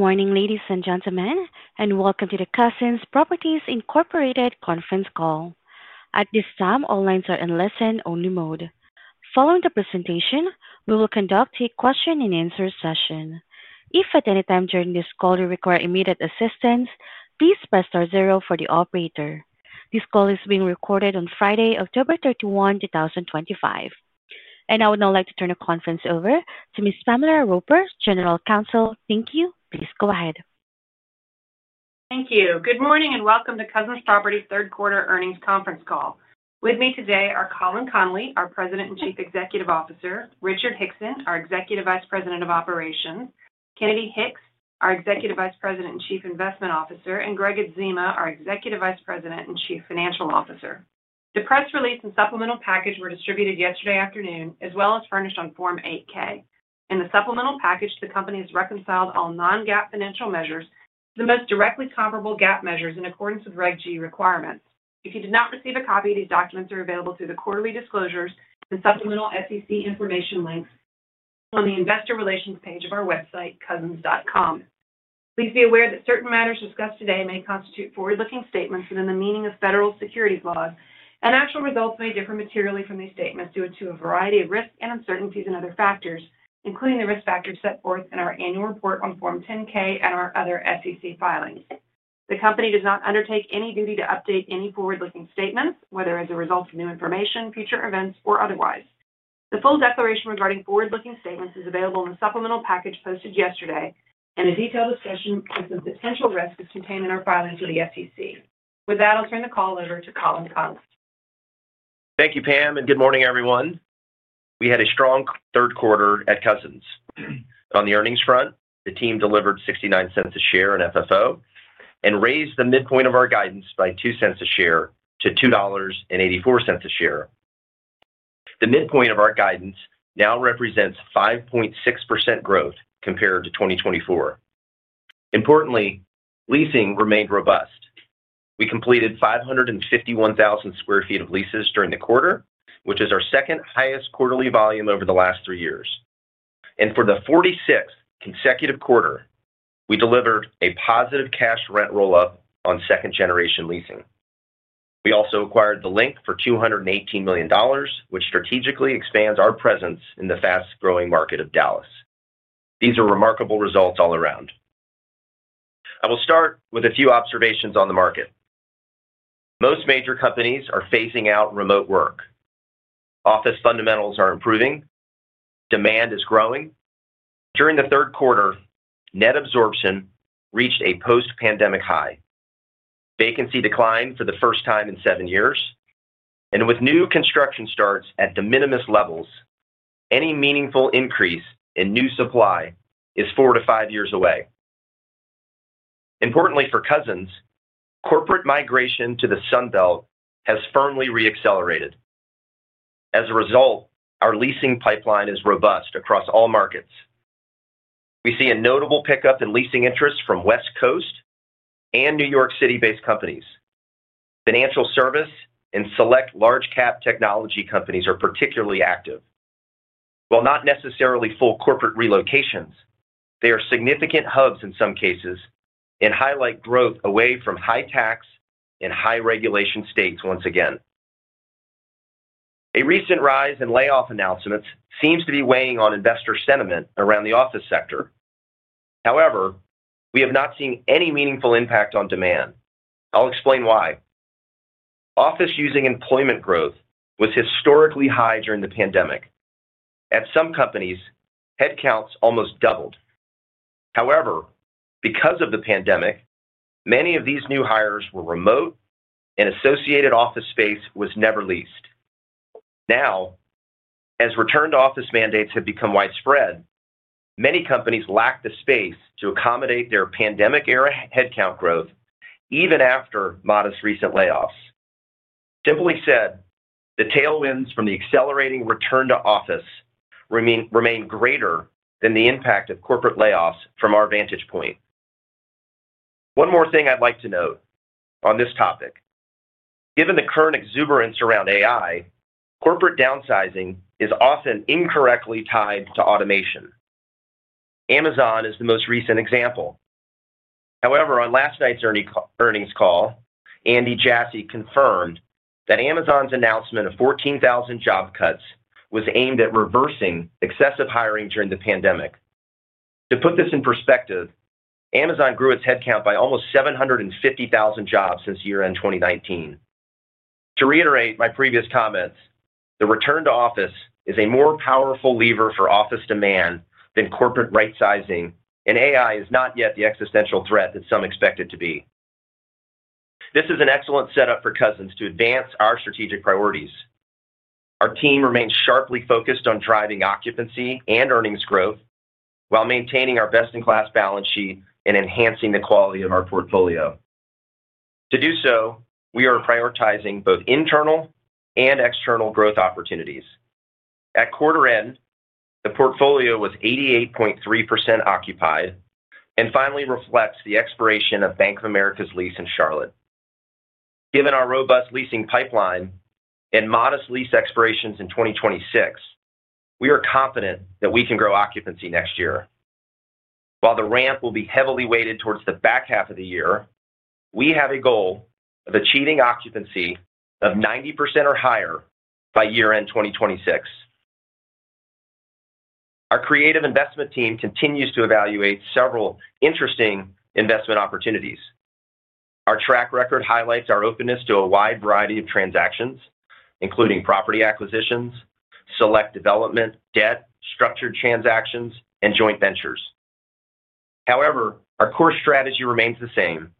Good morning, ladies and gentlemen, and Welcome to the Cousins Properties Incorporated conference call. At this time, all lines are in listen-only mode. Following the presentation, we will conduct a question-and-answer session. If at any time during this call you require immediate assistance, please press star zero for the operator. This call is being recorded on Friday, October 31, 2025. I would now like to turn the conference over to Ms. Pamela Roper, General Counsel. Thank you. Please go ahead. Thank you. Good morning and Welcome to Cousins Properties' third-quarter earnings conference call. With me today are Colin Connolly, our President and Chief Executive Officer; Richard Hickson, our Executive Vice President of Operations; Kennedy Hicks, our Executive Vice President and Chief Investment Officer; and Gregg Adzema, our Executive Vice President and Chief Financial Officer. The press release and supplemental package were distributed yesterday afternoon, as well as furnished on Form 8-K. In the supplemental package, the company has reconciled all non-GAAP financial measures to the most directly comparable GAAP measures in accordance with Reg G requirements. If you did not receive a copy, these documents are available through the quarterly disclosures and supplemental SEC information links on the Investor Relations page of our website, cousins.com. Please be aware that certain matters discussed today may constitute forward-looking statements within the meaning of federal securities laws, and actual results may differ materially from these statements due to a variety of risks and uncertainties and other factors, including the risk factors set forth in our annual report on Form 10-K and our other SEC filings. The company does not undertake any duty to update any forward-looking statements, whether as a result of new information, future events, or otherwise. The full declaration regarding forward-looking statements is available in the supplemental package posted yesterday, and a detailed discussion of the potential risks contained in our filings for the SEC. With that, I'll turn the call over to Colin Connolly. Thank you, Pam, and good morning, everyone. We had a strong third quarter at Cousins. On the earnings front, the team delivered $0.69 a share in FFO and raised the midpoint of our guidance by $0.02 a share to $2.84 a share. The midpoint of our guidance now represents 5.6% growth compared to 2024. Importantly, leasing remained robust. We completed 551,000 square feet of leases during the quarter, which is our second-highest quarterly volume over the last three years. For the 46th consecutive quarter, we delivered a positive cash rent roll-up on second-generation leasing. We also acquired The Link for $218 million, which strategically expands our presence in the fast-growing market of Dallas. These are remarkable results all around. I will start with a few observations on the market. Most major companies are phasing out remote work. Office fundamentals are improving. Demand is growing. During the third quarter, net absorption reached a post-pandemic high. Vacancy declined for the first time in seven years. With new construction starts at de minimis levels, any meaningful increase in new supply is four to five years away. Importantly for Cousins, corporate migration to the Sun Belt has firmly re-accelerated. As a result, our leasing pipeline is robust across all markets. We see a notable pickup in leasing interest from West Coast and New York City-based companies. Financial service and select large-cap technology companies are particularly active. While not necessarily full corporate relocations, they are significant hubs in some cases and highlight growth away from high-tax and high-regulation states once again. A recent rise in layoff announcements seems to be weighing on investor sentiment around the office sector. However, we have not seen any meaningful impact on demand. I'll explain why. Office-using employment growth was historically high during the pandemic. At some companies, headcounts almost doubled. However, because of the pandemic, many of these new hires were remote, and associated office space was never leased. Now, as return-to-office mandates have become widespread, many companies lack the space to accommodate their pandemic-era headcount growth even after modest recent layoffs. Simply said, the tailwinds from the accelerating return to office remain greater than the impact of corporate layoffs from our vantage point. One more thing I'd like to note on this topic. Given the current exuberance around AI, corporate downsizing is often incorrectly tied to automation. Amazon is the most recent example. However, on last night's earnings call, Andy Jassy confirmed that Amazon's announcement of 14,000 job cuts was aimed at reversing excessive hiring during the pandemic. To put this in perspective, Amazon grew its headcount by almost 750,000 jobs since year-end 2019. To reiterate my previous comments, the return-to-office is a more powerful lever for office demand than corporate rightsizing, and AI is not yet the existential threat that some expect it to be. This is an excellent setup for Cousins to advance our strategic priorities. Our team remains sharply focused on driving occupancy and earnings growth while maintaining our best-in-class balance sheet and enhancing the quality of our portfolio. To do so, we are prioritizing both internal and external growth opportunities. At quarter-end, the portfolio was 88.3% occupied and finally reflects the expiration of Bank of America's lease in Charlotte. Given our robust leasing pipeline and modest lease expirations in 2026, we are confident that we can grow occupancy next year. While the ramp will be heavily weighted towards the back half of the year, we have a goal of achieving occupancy of 90% or higher by year-end 2026. Our creative investment team continues to evaluate several interesting investment opportunities. Our track record highlights our openness to a wide variety of transactions, including property acquisitions, select development, debt, structured transactions, and joint ventures. However, our core strategy remains the same: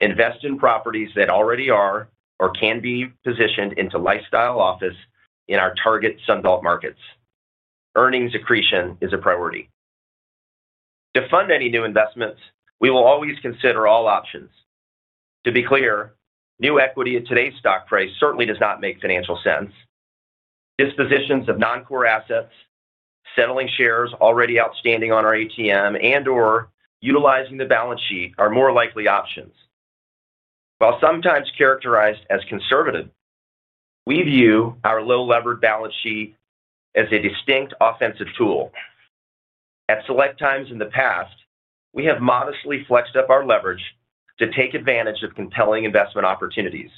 invest in properties that already are or can be positioned into lifestyle office in our target Sun Belt markets. Earnings accretion is a priority. To fund any new investments, we will always consider all options. To be clear, new equity at today's stock price certainly does not make financial sense. Dispositions of non-core assets, settling shares already outstanding on our ATM share settlements, and/or utilizing the balance sheet are more likely options. While sometimes characterized as conservative, we view our low-leverage balance sheet as a distinct offensive tool. At select times in the past, we have modestly flexed up our leverage to take advantage of compelling investment opportunities.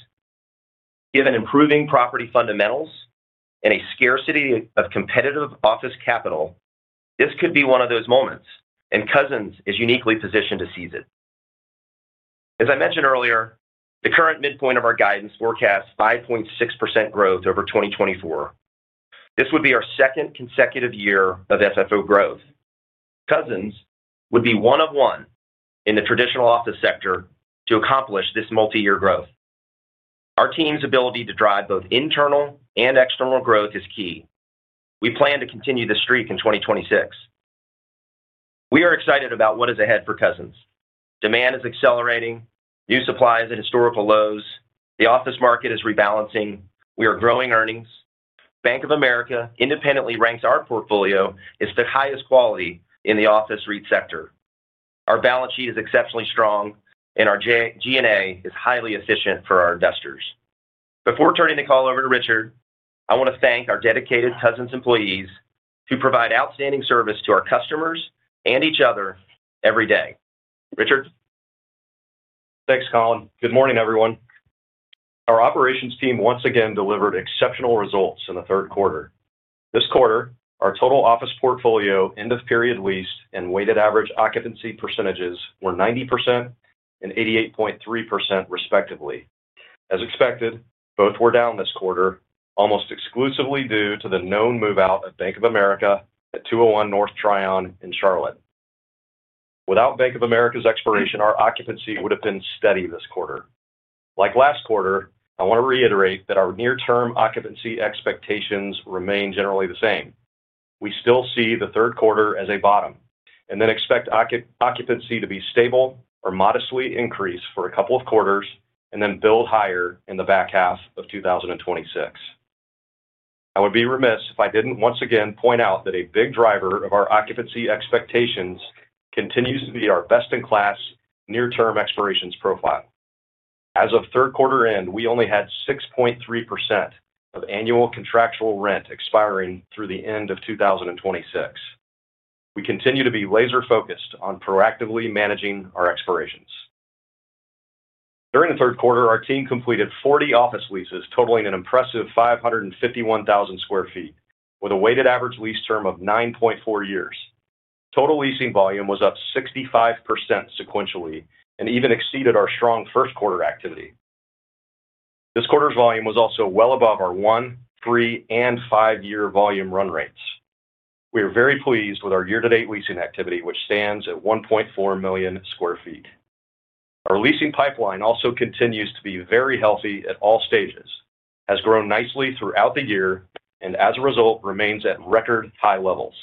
Given improving property fundamentals and a scarcity of competitive office capital, this could be one of those moments, and Cousins is uniquely positioned to seize it. As I mentioned earlier, the current midpoint of our guidance forecasts 5.6% growth over 2024. This would be our second consecutive year of FFO growth. Cousins would be one of one in the traditional office sector to accomplish this multi-year growth. Our team's ability to drive both internal and external growth is key. We plan to continue this streak in 2026. We are excited about what is ahead for Cousins. Demand is accelerating. New supply is at historical lows. The office market is rebalancing. We are growing earnings. Bank of America independently ranks our portfolio as the highest quality in the office REIT sector. Our balance sheet is exceptionally strong, and our G&A is highly efficient for our investors. Before turning the call over to Richard, I want to thank our dedicated Cousins employees who provide outstanding service to our customers and each other every day. Richard. Thanks, Colin. Good morning, everyone. Our operations team once again delivered exceptional results in the third quarter. This quarter, our total office portfolio end-of-period lease and weighted average occupancy percentages were 90% and 88.3%, respectively. As expected, both were down this quarter, almost exclusively due to the known move-out of Bank of America at 201 North Tryon in Charlotte. Without Bank of America's expiration, our occupancy would have been steady this quarter. Like last quarter, I want to reiterate that our near-term occupancy expectations remain generally the same. We still see the third quarter as a bottom and then expect occupancy to be stable or modestly increase for a couple of quarters and then build higher in the back half of 2026. I would be remiss if I didn't once again point out that a big driver of our occupancy expectations continues to be our best-in-class near-term expirations profile. As of third quarter end, we only had 6.3% of annual contractual rent expiring through the end of 2026. We continue to be laser-focused on proactively managing our expirations. During the third quarter, our team completed 40 office leases totaling an impressive 551,000 square feet with a weighted average lease term of 9.4 years. Total leasing volume was up 65% sequentially and even exceeded our strong first-quarter activity. This quarter's volume was also well above our one, three, and five-year volume run rates. We are very pleased with our year-to-date leasing activity, which stands at 1.4 million square feet. Our leasing pipeline also continues to be very healthy at all stages, has grown nicely throughout the year, and as a result, remains at record high levels.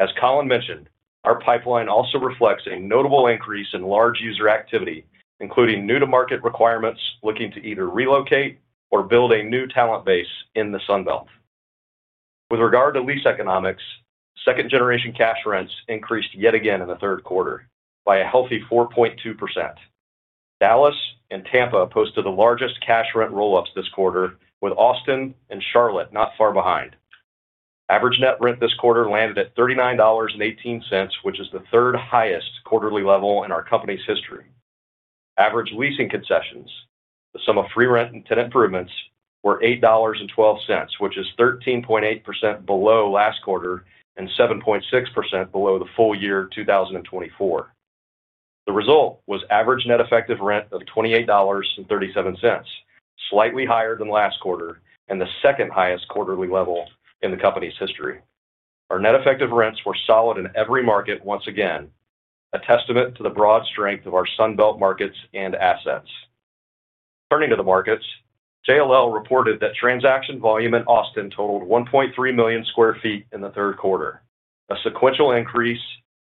As Colin mentioned, our pipeline also reflects a notable increase in large user activity, including new-to-market requirements looking to either relocate or build a new talent base in the Sun Belt. With regard to lease economics, second-generation cash rents increased yet again in the third quarter by a healthy 4.2%. Dallas and Tampa posted the largest cash rent roll-ups this quarter, with Austin and Charlotte not far behind. Average net rent this quarter landed at $39.18, which is the third-highest quarterly level in our company's history. Average leasing concessions, the sum of free rent and tenant improvements, were $8.12, which is 13.8% below last quarter and 7.6% below the full year 2024. The result was average net effective rent of $28.37, slightly higher than last quarter and the second-highest quarterly level in the company's history. Our net effective rents were solid in every market once again, a testament to the broad strength of our Sun Belt markets and assets. Turning to the markets, JLL reported that transaction volume in Austin totaled 1.3 million square feet in the third quarter, a sequential increase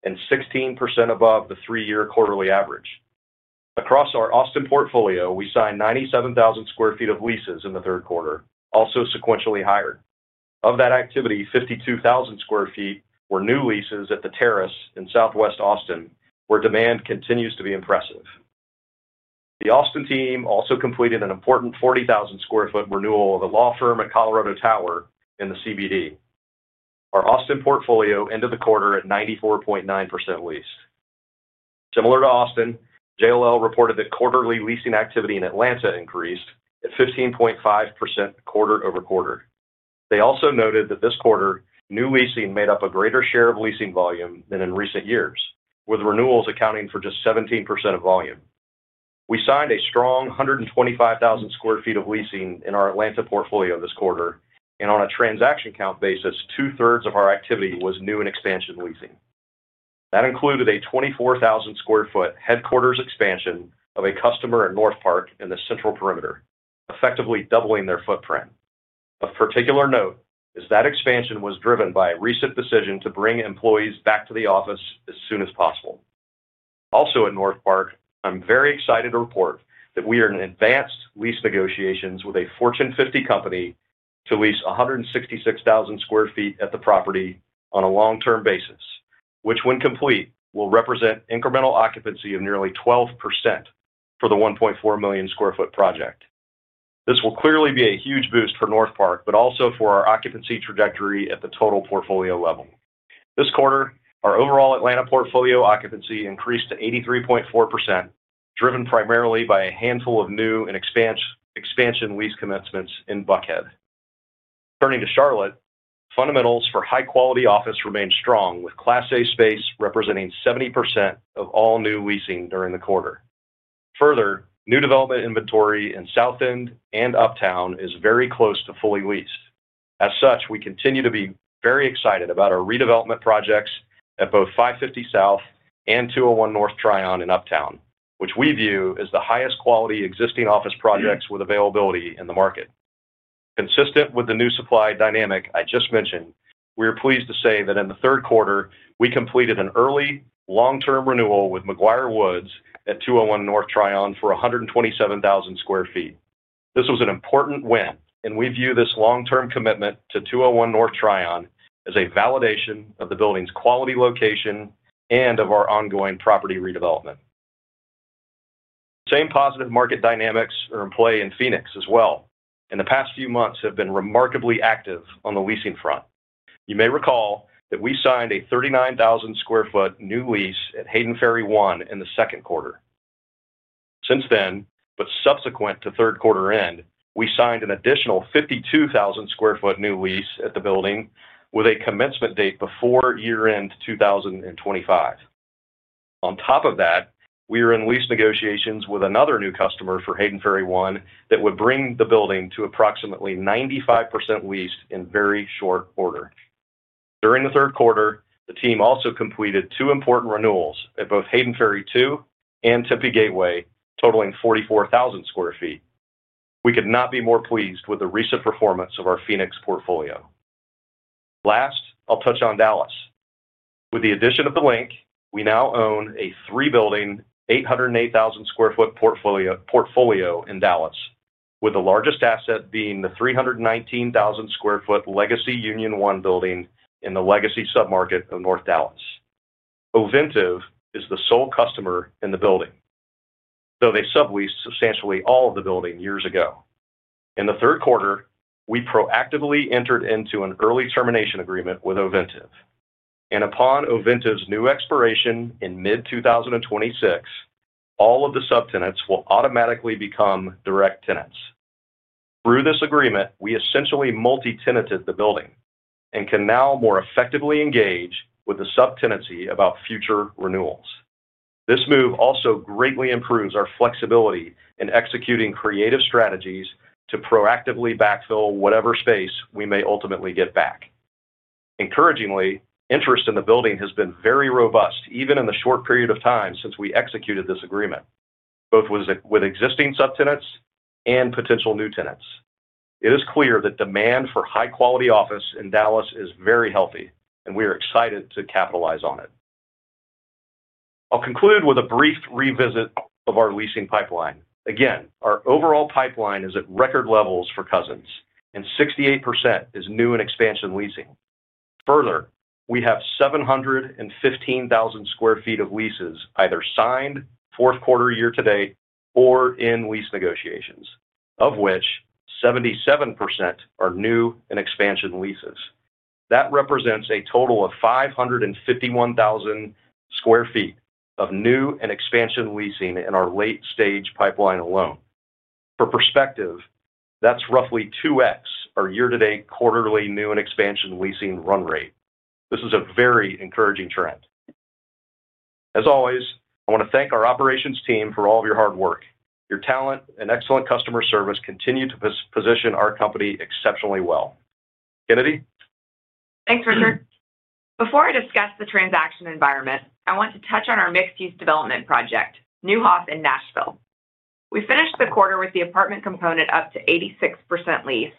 and 16% above the three-year quarterly average. Across our Austin portfolio, we signed 97,000 square feet of leases in the third quarter, also sequentially higher. Of that activity, 52,000 square feet were new leases at the Terrace in southwest Austin, where demand continues to be impressive. The Austin team also completed an important 40,000 square foot renewal of the law firm at Colorado Tower in the CBD. Our Austin portfolio ended the quarter at 94.9% leased. Similar to Austin, JLL reported that quarterly leasing activity in Atlanta increased at 15.5% quarter over quarter. They also noted that this quarter, new leasing made up a greater share of leasing volume than in recent years, with renewals accounting for just 17% of volume. We signed a strong 125,000 square feet of leasing in our Atlanta portfolio this quarter, and on a transaction count basis, two-thirds of our activity was new and expansion leasing. That included a 24,000 square foot headquarters expansion of a customer in North Park in the central perimeter, effectively doubling their footprint. Of particular note is that expansion was driven by a recent decision to bring employees back to the office as soon as possible. Also at North Park, I'm very excited to report that we are in advanced lease negotiations with a Fortune 50 company to lease 166,000 square feet at the property on a long-term basis, which when complete will represent incremental occupancy of nearly 12% for the 1.4 million square foot project. This will clearly be a huge boost for North Park, but also for our occupancy trajectory at the total portfolio level. This quarter, our overall Atlanta portfolio occupancy increased to 83.4%, driven primarily by a handful of new and expansion lease commencements in Buckhead. Turning to Charlotte, fundamentals for high-quality office remain strong, with Class A space representing 70% of all new leasing during the quarter. Further, new development inventory in South End and Uptown is very close to fully leased. As such, we continue to be very excited about our redevelopment projects at both 550 South and 201 North Tryon in Uptown, which we view as the highest quality existing office projects with availability in the market. Consistent with the new supply dynamic I just mentioned, we are pleased to say that in the third quarter, we completed an early long-term renewal with McGuireWoods at 201 North Tryon for 127,000 square feet. This was an important win, and we view this long-term commitment to 201 North Tryon as a validation of the building's quality, location, and of our ongoing property redevelopment. The same positive market dynamics are in play in Phoenix as well. In the past few months, they have been remarkably active on the leasing front. You may recall that we signed a 39,000 square foot new lease at Hayden Ferry One in the second quarter. Since then, but subsequent to third quarter end, we signed an additional 52,000 square foot new lease at the building with a commencement date before year-end 2025. On top of that, we are in lease negotiations with another new customer for Hayden Ferry One that would bring the building to approximately 95% leased in very short order. During the third quarter, the team also completed two important renewals at both Hayden Ferry Two and Tempe Gateway, totaling 44,000 square feet. We could not be more pleased with the recent performance of our Phoenix portfolio. Last, I'll touch on Dallas. With the addition of The Link, we now own a three-building, 808,000 square foot portfolio in Dallas, with the largest asset being the 319,000 square foot Legacy Union One building in the Legacy submarket of North Dallas. Ovintiv is the sole customer in the building, though they subleased substantially all of the building years ago. In the third quarter, we proactively entered into an early termination agreement with Ovintiv. Upon Ovintiv's new expiration in mid-2026, all of the subtenants will automatically become direct tenants. Through this agreement, we essentially multi-tenanted the building and can now more effectively engage with the subtenancy about future renewals. This move also greatly improves our flexibility in executing creative strategies to proactively backfill whatever space we may ultimately get back. Encouragingly, interest in the building has been very robust even in the short period of time since we executed this agreement, both with existing subtenants and potential new tenants. It is clear that demand for high-quality office in Dallas is very healthy, and we are excited to capitalize on it. I'll conclude with a brief revisit of our leasing pipeline. Again, our overall pipeline is at record levels for Cousins, and 68% is new and expansion leasing. Further, we have 715,000 square feet of leases either signed fourth quarter year-to-date or in lease negotiations, of which 77% are new and expansion leases. That represents a total of 551,000 square feet of new and expansion leasing in our late-stage pipeline alone. For perspective, that's roughly 2X our year-to-date quarterly new and expansion leasing run rate. This is a very encouraging trend. As always, I want to thank our operations team for all of your hard work. Your talent and excellent customer service continue to position our company exceptionally well. Kennedy? Thanks, Richard. Before I discuss the transaction environment, I want to touch on our mixed-use development project, New Hawth in Nashville. We finished the quarter with the apartment component up to 86% leased,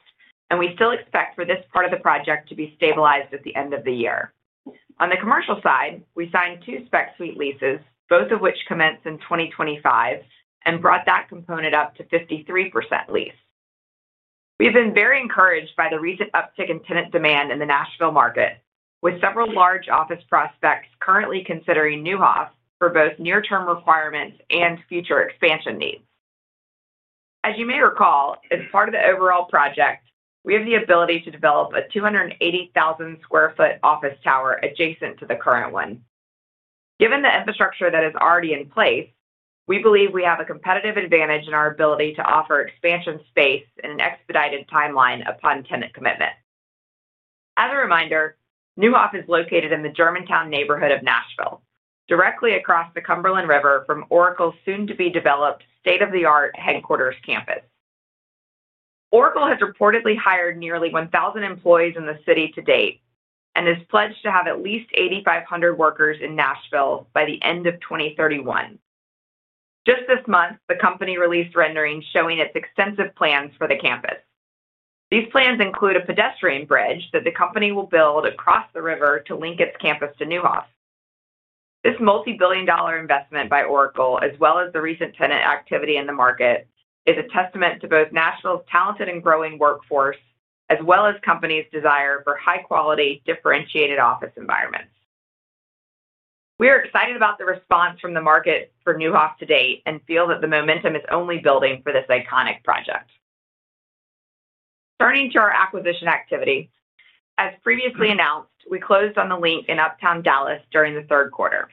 and we still expect for this part of the project to be stabilized at the end of the year. On the commercial side, we signed two spec suite leases, both of which commence in 2025, and brought that component up to 53% leased. We've been very encouraged by the recent uptick in tenant demand in the Nashville market, with several large office prospects currently considering New Hawth for both near-term requirements and future expansion needs. As you may recall, as part of the overall project, we have the ability to develop a 280,000 square foot office tower adjacent to the current one. Given the infrastructure that is already in place, we believe we have a competitive advantage in our ability to offer expansion space in an expedited timeline upon tenant commitment. As a reminder, New Hawth is located in the Germantown neighborhood of Nashville, directly across the Cumberland River from Oracle's soon-to-be-developed state-of-the-art headquarters campus. Oracle has reportedly hired nearly 1,000 employees in the city to date and is pledged to have at least 8,500 workers in Nashville by the end of 2031. Just this month, the company released renderings showing its extensive plans for the campus. These plans include a pedestrian bridge that the company will build across the river to link its campus to New Hawth. This multi-billion dollar investment by Oracle, as well as the recent tenant activity in the market, is a testament to both Nashville's talented and growing workforce as well as companies' desire for high-quality, differentiated office environments. We are excited about the response from the market for New Hawth to date and feel that the momentum is only building for this iconic project. Turning to our acquisition activity, as previously announced, we closed on The Link in Uptown Dallas during the third quarter.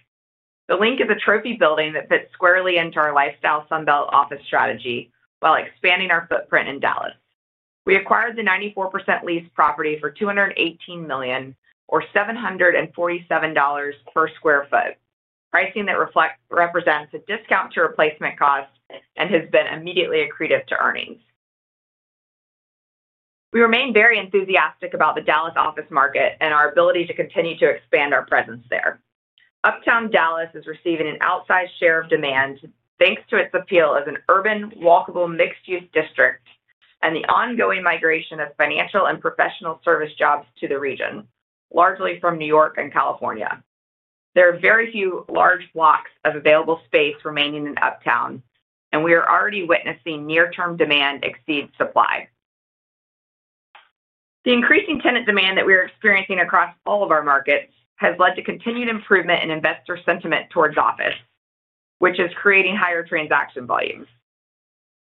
The Link is a trophy building that fits squarely into our lifestyle Sun Belt office strategy while expanding our footprint in Dallas. We acquired the 94% leased property for $218 million or $747 per square foot, pricing that represents a discount to replacement costs and has been immediately accretive to earnings. We remain very enthusiastic about the Dallas office market and our ability to continue to expand our presence there. Uptown Dallas is receiving an outsized share of demand thanks to its appeal as an urban, walkable mixed-use district and the ongoing migration of financial and professional service jobs to the region, largely from New York and California. There are very few large blocks of available space remaining in Uptown, and we are already witnessing near-term demand exceed supply. The increasing tenant demand that we are experiencing across all of our markets has led to continued improvement in investor sentiment towards office, which is creating higher transaction volumes.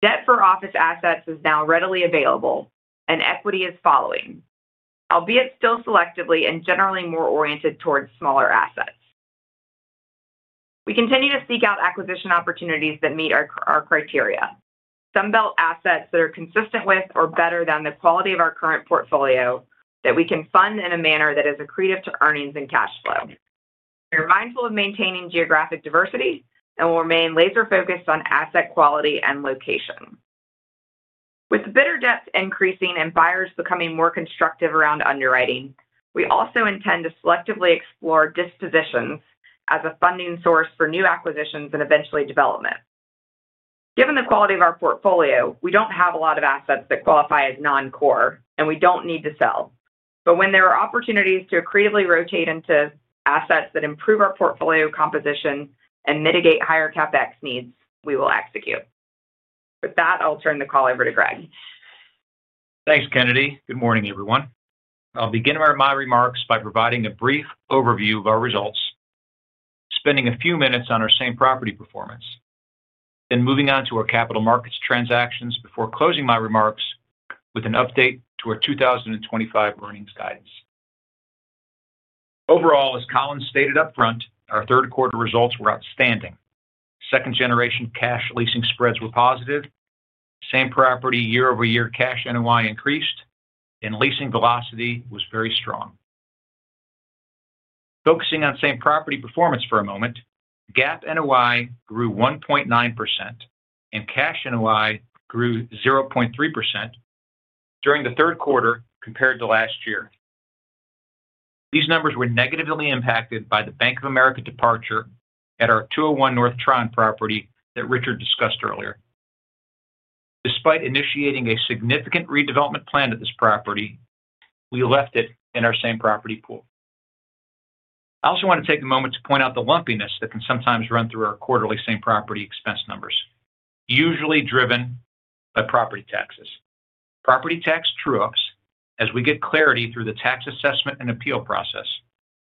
Debt for office assets is now readily available, and equity is following, albeit still selectively and generally more oriented towards smaller assets. We continue to seek out acquisition opportunities that meet our criteria, Sun Belt assets that are consistent with or better than the quality of our current portfolio that we can fund in a manner that is accretive to earnings and cash flow. We are mindful of maintaining geographic diversity and will remain laser-focused on asset quality and location. With the bidder depth increasing and buyers becoming more constructive around underwriting, we also intend to selectively explore dispositions as a funding source for new acquisitions and eventually development. Given the quality of our portfolio, we don't have a lot of assets that qualify as non-core, and we don't need to sell. When there are opportunities to accretively rotate into assets that improve our portfolio composition and mitigate higher CapEx needs, we will execute. With that, I'll turn the call over to Gregg. Thanks, Kennedy. Good morning, everyone. I'll begin my remarks by providing a brief overview of our results, spending a few minutes on our same property performance, then moving on to our capital markets transactions before closing my remarks with an update to our 2025 earnings guidance. Overall, as Colin stated upfront, our third quarter results were outstanding. Second-generation cash leasing spreads were positive, same property year-over-year cash NOI increased, and leasing velocity was very strong. Focusing on same property performance for a moment, GAAP NOI grew 1.9%, and cash NOI grew 0.3% during the third quarter compared to last year. These numbers were negatively impacted by the Bank of America departure at our 201 North Tryon property that Richard discussed earlier. Despite initiating a significant redevelopment plan at this property, we left it in our same property pool. I also want to take a moment to point out the lumpiness that can sometimes run through our quarterly same property expense numbers, usually driven by property taxes. Property tax true-ups, as we get clarity through the tax assessment and appeal process,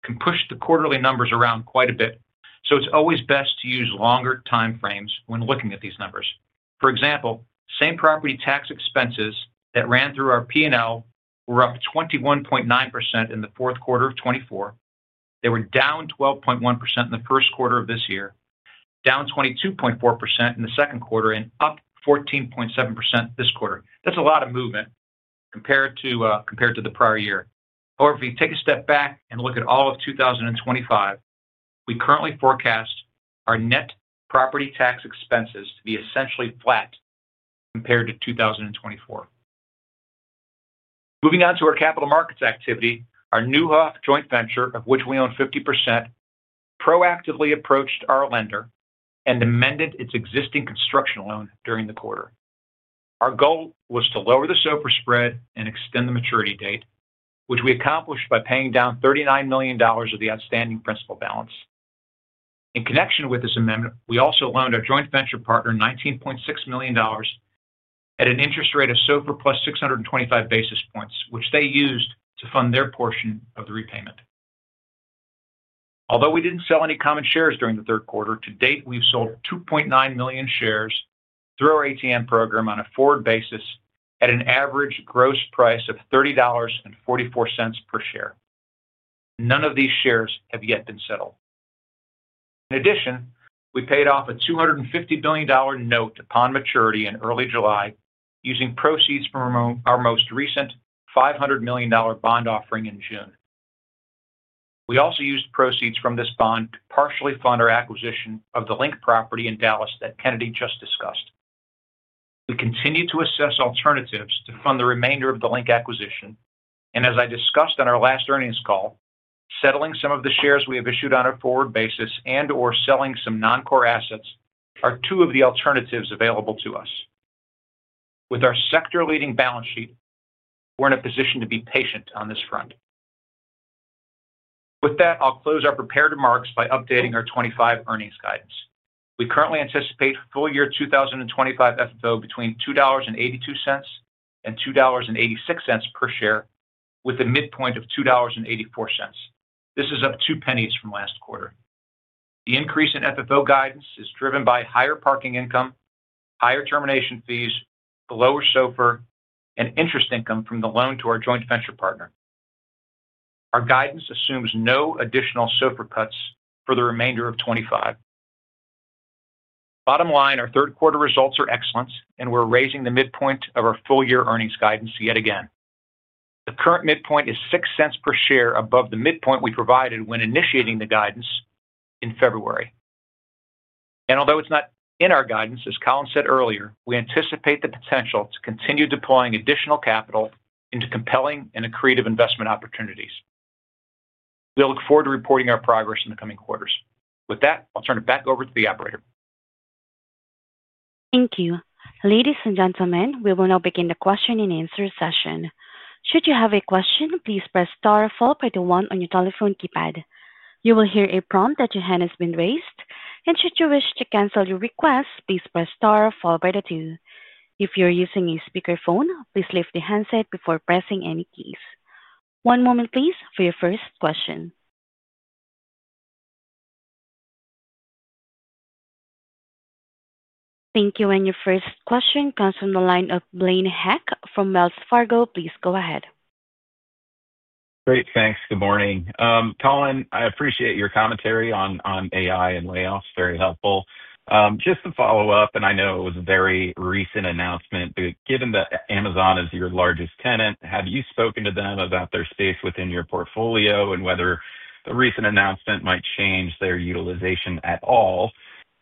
can push the quarterly numbers around quite a bit, so it's always best to use longer time frames when looking at these numbers. For example, same property tax expenses that ran through our P&L were up 21.9% in the fourth quarter of 2024. They were down 12.1% in the first quarter of this year, down 22.4% in the second quarter, and up 14.7% this quarter. That's a lot of movement compared to the prior year. However, if you take a step back and look at all of 2025, we currently forecast our net property tax expenses to be essentially flat compared to 2024. Moving on to our capital markets activity, our New Hawth joint venture, of which we own 50%, proactively approached our lender and amended its existing construction loan during the quarter. Our goal was to lower the SOFR spread and extend the maturity date, which we accomplished by paying down $39 million of the outstanding principal balance. In connection with this amendment, we also loaned our joint venture partner $19.6 million at an interest rate of SOFR+ 625 basis points, which they used to fund their portion of the repayment. Although we didn't sell any common shares during the third quarter, to date, we've sold 2.9 million shares through our ATM program on a forward basis at an average gross price of $30.44 per share. None of these shares have yet been settled. In addition, we paid off a $250 million note upon maturity in early July using proceeds from our most recent $500 million bond offering in June. We also used proceeds from this bond to partially fund our acquisition of The Link property in Dallas that Kennedy just discussed. We continue to assess alternatives to fund the remainder of The Link acquisition, and as I discussed on our last earnings call, settling some of the shares we have issued on a forward basis and/or selling some non-core assets are two of the alternatives available to us. With our sector-leading balance sheet, we're in a position to be patient on this front. With that, I'll close our prepared remarks by updating our 2025 earnings guidance. We currently anticipate full-year 2025 FFO between $2.82 and $2.86 per share with a midpoint of $2.84. This is up $0.02 from last quarter. The increase in FFO guidance is driven by higher parking income, higher termination fees, lower SOFR, and interest income from the loan to our joint venture partner. Our guidance assumes no additional SOFR cuts for the remainder of 2025. Bottom line, our third quarter results are excellent, and we're raising the midpoint of our full-year earnings guidance yet again. The current midpoint is $0.06 per share above the midpoint we provided when initiating the guidance in February. Although it's not in our guidance, as Colin said earlier, we anticipate the potential to continue deploying additional capital into compelling and accretive investment opportunities. We'll look forward to reporting our progress in the coming quarters. With that, I'll turn it back over to the operator. Thank you. Ladies and gentlemen, we will now begin the question and answer session. Should you have a question, please press star followed by the one on your telephone keypad. You will hear a prompt that your hand has been raised, and should you wish to cancel your request, please press star followed by the two. If you're using a speakerphone, please lift the handset before pressing any keys. One moment, please, for your first question. Thank you. Your first question comes from the line of Blaine Heck from Wells Fargo. Please go ahead. Great. Thanks. Good morning. Colin, I appreciate your commentary on AI and layoffs. Very helpful. Just to follow up, I know it was a very recent announcement, but given that Amazon is your largest tenant, have you spoken to them about their stake within your portfolio and whether the recent announcement might change their utilization at all?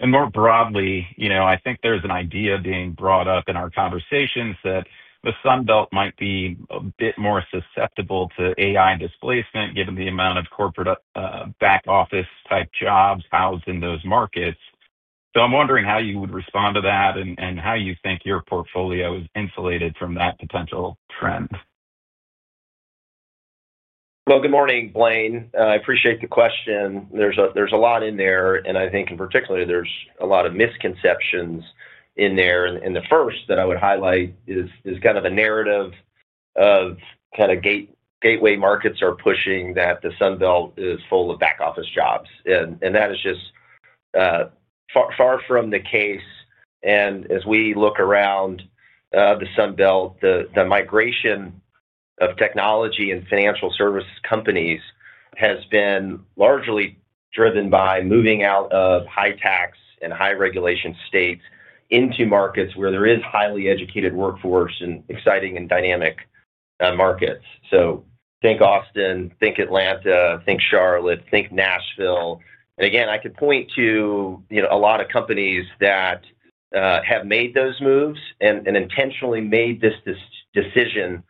More broadly, I think there's an idea being brought up in our conversations that the Sun Belt might be a bit more susceptible to AI displacement given the amount of corporate back-office-type jobs housed in those markets. I'm wondering how you would respond to that and how you think your portfolio is insulated from that potential trend. Good morning, Blaine. I appreciate the question. There's a lot in there, and I think in particular, there's a lot of misconceptions in there. The first that I would highlight is kind of a narrative of gateway markets pushing that the Sun Belt is full of back-office jobs. That is just far from the case. As we look around the Sun Belt, the migration of technology and financial services companies has been largely driven by moving out of high tax and high regulation states into markets where there is a highly educated workforce and exciting and dynamic markets. Think Austin, think Atlanta, think Charlotte, think Nashville. I could point to a lot of companies that have made those moves and intentionally made this decision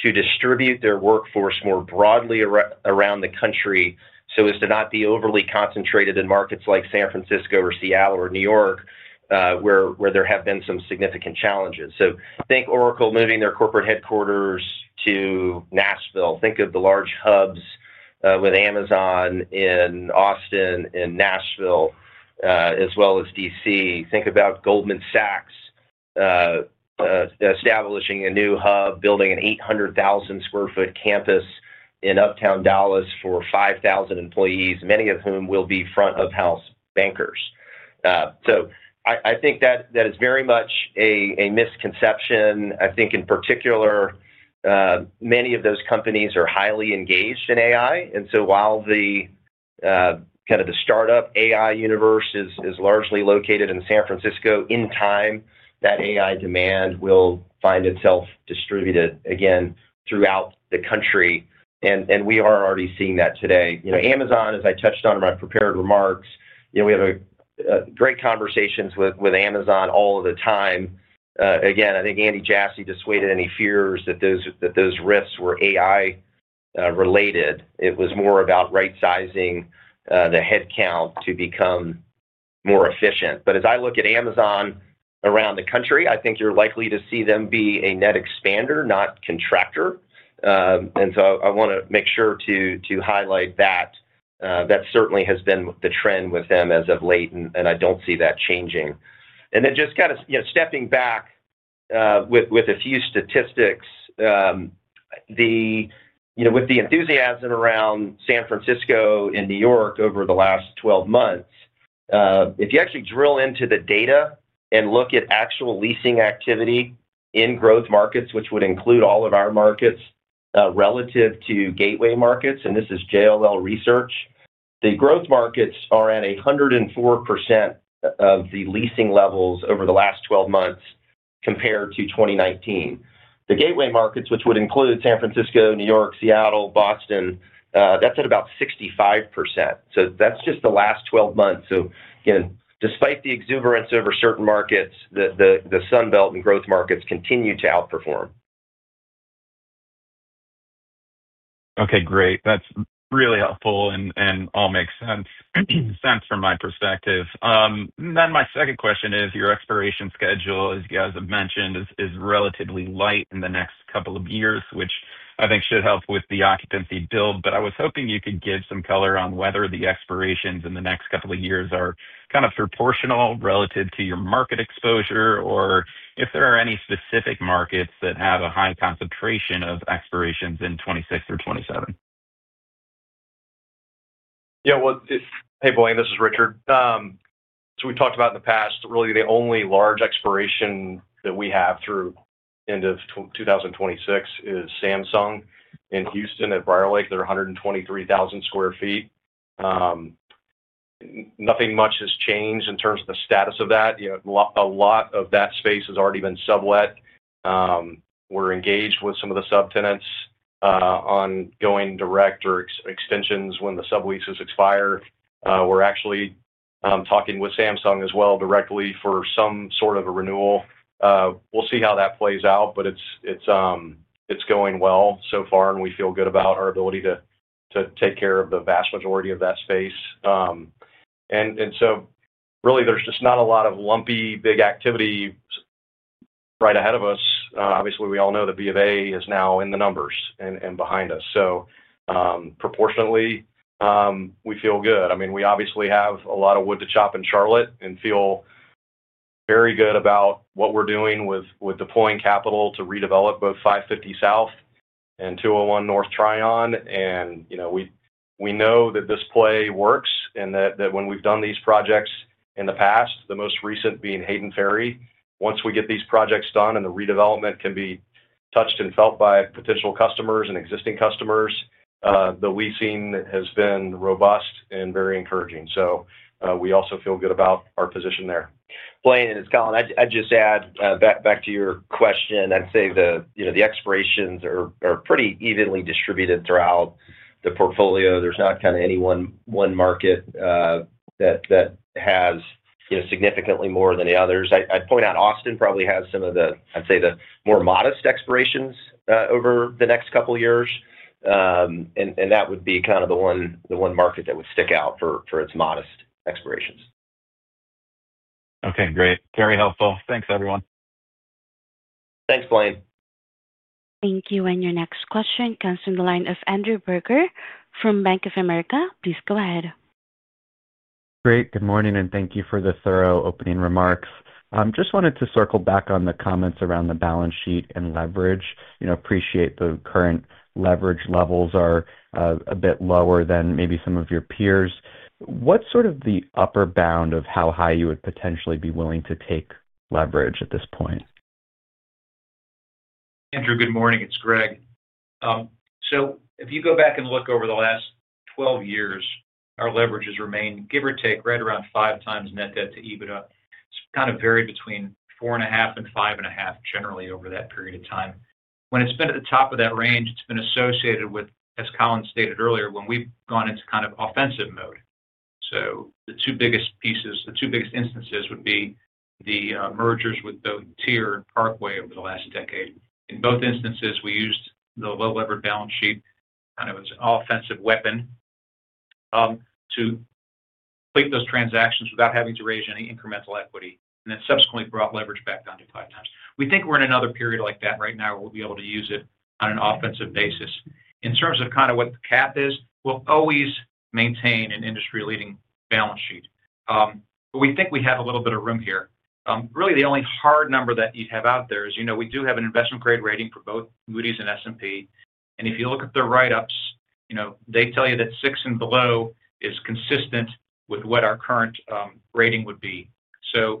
to distribute their workforce more broadly around the country so as to not be overly concentrated in markets like San Francisco or Seattle or New York, where there have been some significant challenges. Think Oracle moving their corporate headquarters to Nashville. Think of the large hubs with Amazon in Austin and Nashville, as well as DC. Think about Goldman Sachs establishing a new hub, building an 800,000-square-foot campus in Uptown Dallas for 5,000 employees, many of whom will be front-of-house bankers. I think that is very much a misconception. I think in particular, many of those companies are highly engaged in AI. While the startup AI universe is largely located in San Francisco, in time, that AI demand will find itself distributed again throughout the country. We are already seeing that today. Amazon, as I touched on in my prepared remarks, we have great conversations with Amazon all of the time. I think Andy Jassy dissuaded any fears that those risks were AI related. It was more about right-sizing the headcount to become more efficient. As I look at Amazon around the country, I think you're likely to see them be a net expander, not contractor. I want to make sure to highlight that. That certainly has been the trend with them as of late, and I don't see that changing. Just kind of stepping back with a few statistics, with the enthusiasm around San Francisco and New York over the last 12 months, if you actually drill into the data and look at actual leasing activity in growth markets, which would include all of our markets relative to gateway markets, and this is JLL research, the growth markets are at 104% of the leasing levels over the last 12 months compared to 2019. The gateway markets, which would include San Francisco, New York, Seattle, Boston, that's at about 65%. That's just the last 12 months. Again, despite the exuberance over certain markets, the Sun Belt and growth markets continue to outperform. Okay. Great. That's really helpful and all makes sense from my perspective. My second question is your expiration schedule, as you guys have mentioned, is relatively light in the next couple of years, which I think should help with the occupancy build. I was hoping you could give some color on whether the expirations in the next couple of years are kind of proportional relative to your market exposure or if there are any specific markets that have a high concentration of expirations in 2026 or 2027. Yeah. Hey, Blaine, this is Richard. We've talked about in the past, really, the only large expiration that we have through the end of 2026 is Samsung in Houston at Briarlake. They're 123,000 square feet. Nothing much has changed in terms of the status of that. A lot of that space has already been sublet. We're engaged with some of the subtenants on going direct or extensions when the subleases expire. We're actually talking with Samsung as well directly for some sort of a renewal. We'll see how that plays out, but it's going well so far, and we feel good about our ability to take care of the vast majority of that space. There is just not a lot of lumpy big activity right ahead of us. Obviously, we all know the V of A is now in the numbers and behind us. Proportionately, we feel good. I mean, we obviously have a lot of wood to chop in Charlotte and feel very good about what we're doing with deploying capital to redevelop both 550 South and 201 North Tryon. We know that this play works and that when we've done these projects in the past, the most recent being Hayden Ferry, once we get these projects done and the redevelopment can be touched and felt by potential customers and existing customers, the leasing has been robust and very encouraging. We also feel good about our position there. Blaine and Colin, I'd just add back to your question. I'd say the expirations are pretty evenly distributed throughout the portfolio. There's not any one market that has significantly more than the others. I'd point out Austin probably has some of the, I'd say, the more modest expirations over the next couple of years. That would be the one market that would stick out for its modest expirations. Okay. Great. Very helpful. Thanks, everyone. Thanks, Blaine. Thank you. Your next question comes from the line of Andrew Berger from Bank of America. Please go ahead. Great. Good morning, and thank you for the thorough opening remarks. I just wanted to circle back on the comments around the balance sheet and leverage. Appreciate the current leverage levels are a bit lower than maybe some of your peers. What's sort of the upper bound of how high you would potentially be willing to take leverage at this point? Andrew, good morning. It's Gregg. If you go back and look over the last 12 years, our leverage has remained, give or take, right around five times net debt to EBITDA. It's kind of varied between four and a half and five and a half generally over that period of time. When it's been at the top of that range, it's been associated with, as Colin stated earlier, when we've gone into kind of offensive mode. The two biggest pieces, the two biggest instances would be the mergers with both Tier and Parkway over the last decade. In both instances, we used the low-leverage balance sheet kind of as an offensive weapon to complete those transactions without having to raise any incremental equity, and then subsequently brought leverage back down to five times. We think we're in another period like that right now where we'll be able to use it on an offensive basis. In terms of kind of what the cap is, we'll always maintain an industry-leading balance sheet. We think we have a little bit of room here. Really, the only hard number that you'd have out there is we do have an investment-grade rating for both Moody's and S&P. If you look at the write-ups, they tell you that six and below is consistent with what our current rating would be.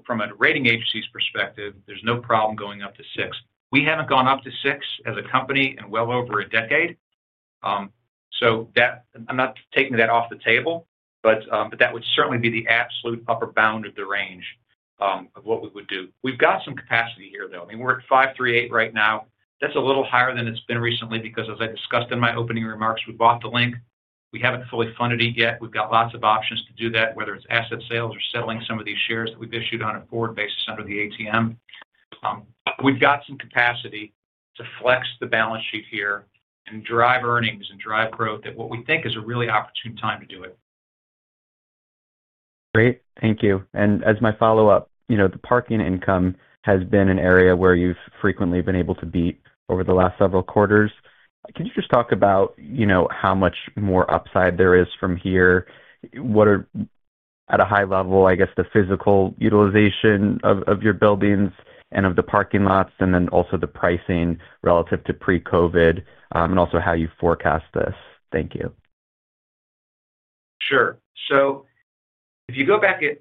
From a rating agency's perspective, there's no problem going up to six. We haven't gone up to six as a company in well over a decade. I'm not taking that off the table, but that would certainly be the absolute upper bound of the range of what we would do. We've got some capacity here, though. We're at 5.38 right now. That's a little higher than it's been recently because, as I discussed in my opening remarks, we bought The Link. We haven't fully funded it yet. We've got lots of options to do that, whether it's asset sales or settling some of these shares that we've issued on a forward basis under the ATM. We've got some capacity to flex the balance sheet here and drive earnings and drive growth at what we think is a really opportune time to do it. Great. Thank you. As my follow-up, the parking income has been an area where you've frequently been able to beat over the last several quarters. Can you just talk about how much more upside there is from here? What are, at a high level, the physical utilization of your buildings and of the parking lots, and then also the pricing relative to pre-COVID, and also how you forecast this? Thank you. Sure. If you go back at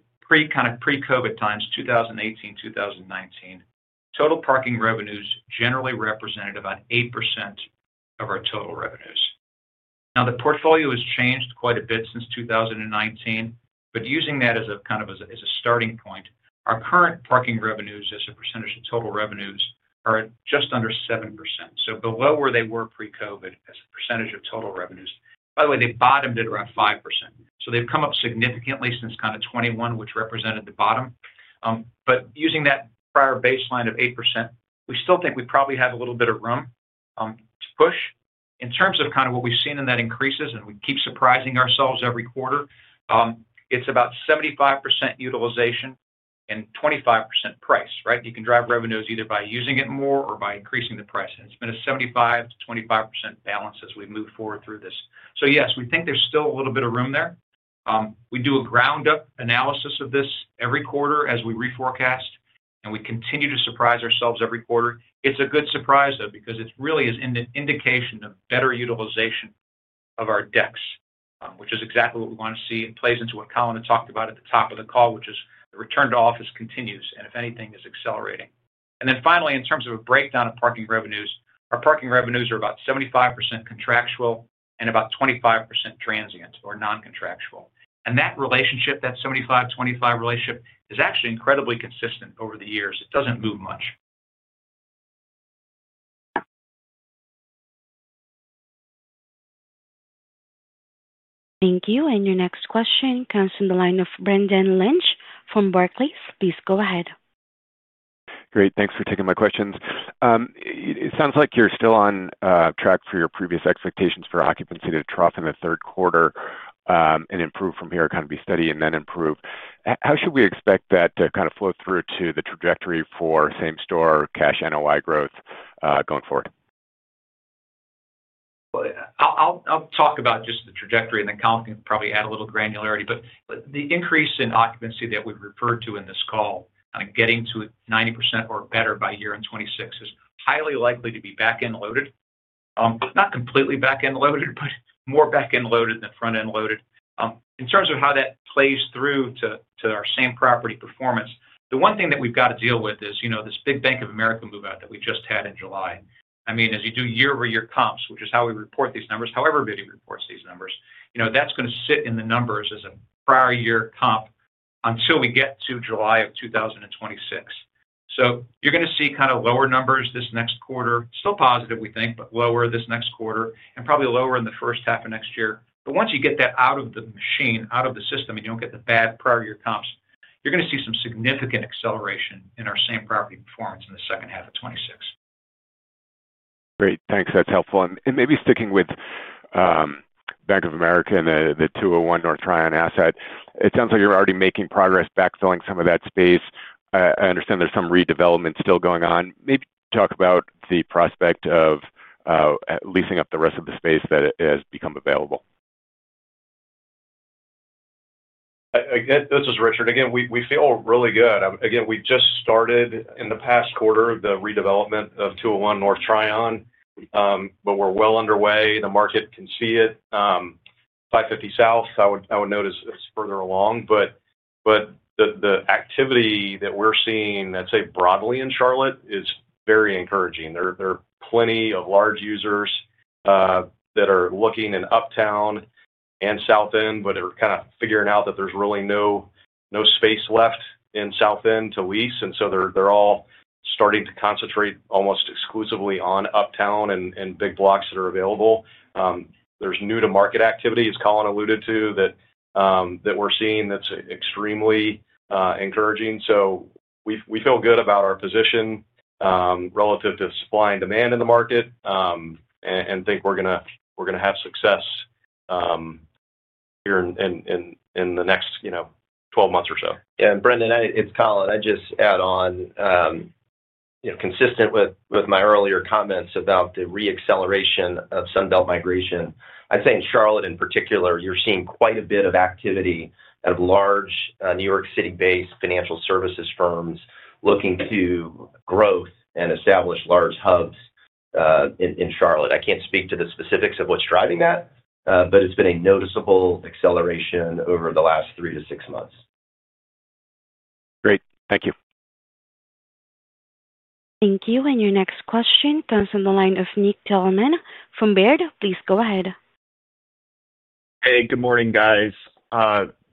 kind of pre-COVID times, 2018, 2019, total parking revenues generally represented about 8% of our total revenues. Now, the portfolio has changed quite a bit since 2019, but using that as kind of a starting point, our current parking revenues as a percentage of total revenues are just under 7%. Below where they were pre-COVID as a percentage of total revenues. By the way, they bottomed at around 5%. They have come up significantly since kind of 2021, which represented the bottom. Using that prior baseline of 8%, we still think we probably have a little bit of room to push. In terms of kind of what we've seen in that increases, and we keep surprising ourselves every quarter, it's about 75% utilization and 25% price, right? You can drive revenues either by using it more or by increasing the price. It's been a 75%-25% balance as we move forward through this. Yes, we think there's still a little bit of room there. We do a ground-up analysis of this every quarter as we reforecast, and we continue to surprise ourselves every quarter. It's a good surprise, though, because it really is an indication of better utilization of our decks, which is exactly what we want to see. It plays into what Colin had talked about at the top of the call, which is the return-to-office continues, and if anything, is accelerating. Finally, in terms of a breakdown of parking revenues, our parking revenues are about 75% contractual and about 25% transient or non-contractual. That relationship, that 75%-25% relationship, is actually incredibly consistent over the years. It doesn't move much. Thank you. Your next question comes from the line of Brendan Lynch from Barclays. Please go ahead. Great. Thanks for taking my questions. It sounds like you're still on track for your previous expectations for occupancy to trough in the third quarter, be steady and then improve. How should we expect that to kind of flow through to the trajectory for same-store cash NOI growth going forward? I'll talk about just the trajectory, and then Colin can probably add a little granularity. The increase in occupancy that we've referred to in this call, kind of getting to 90% or better by year-end 2026, is highly likely to be back-end loaded. Not completely back-end loaded, but more back-end loaded than front-end loaded. In terms of how that plays through to our same-property performance, the one thing that we've got to deal with is this big Bank of America move-out that we just had in July. As you do year-over-year comps, which is how we report these numbers, how everybody reports these numbers, that's going to sit in the numbers as a prior-year comp until we get to July of 2026. You're going to see kind of lower numbers this next quarter. Still positive, we think, but lower this next quarter and probably lower in the first half of next year. Once you get that out of the machine, out of the system, and you don't get the bad prior-year comps, you're going to see some significant acceleration in our same-property performance in the second half of 2026. Great. Thanks. That's helpful. Maybe sticking with Bank of America and the 201 North Tryon asset, it sounds like you're already making progress backfilling some of that space. I understand there's some redevelopment still going on. Maybe talk about the prospect of leasing up the rest of the space that has become available. This is Richard. Again, we feel really good. We just started in the past quarter the redevelopment of 201 North Tryon, but we're well underway. The market can see it. 550 South, I would note, is further along. The activity that we're seeing, I'd say, broadly in Charlotte is very encouraging. There are plenty of large users that are looking in Uptown and South End, but they're kind of figuring out that there's really no space left in South End to lease, and they're all starting to concentrate almost exclusively on Uptown and big blocks that are available. There's new-to-market activity, as Colin alluded to, that we're seeing that's extremely encouraging. We feel good about our position relative to supply and demand in the market and think we're going to have success here in the next 12 months or so. Yeah. Yeah and Brendan, it's Colin. I'd just add on, consistent with my earlier comments about the re-acceleration of Sun Belt migration, I'd say in Charlotte in particular, you're seeing quite a bit of activity of large New York City-based financial services firms looking to grow and establish large hubs in Charlotte. I can't speak to the specifics of what's driving that, but it's been a noticeable acceleration over the last three to six months. Great. Thank you. Thank you. Your next question comes from the line of Nick Thillman from Baird. Please go ahead. Hey, good morning, guys.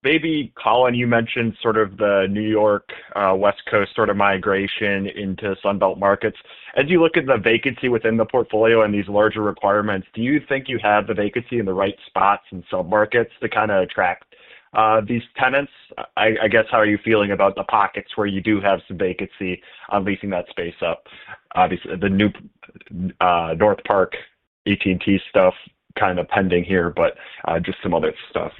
Maybe Colin, you mentioned sort of the New York West Coast sort of migration into Sun Belt markets. As you look at the vacancy within the portfolio and these larger requirements, do you think you have the vacancy in the right spots in submarkets to kind of attract these tenants? I guess, how are you feeling about the pockets where you do have some vacancy on leasing that space up? Obviously, the new New Hawth AT&T stuff kind of pending here, but just some other stuff.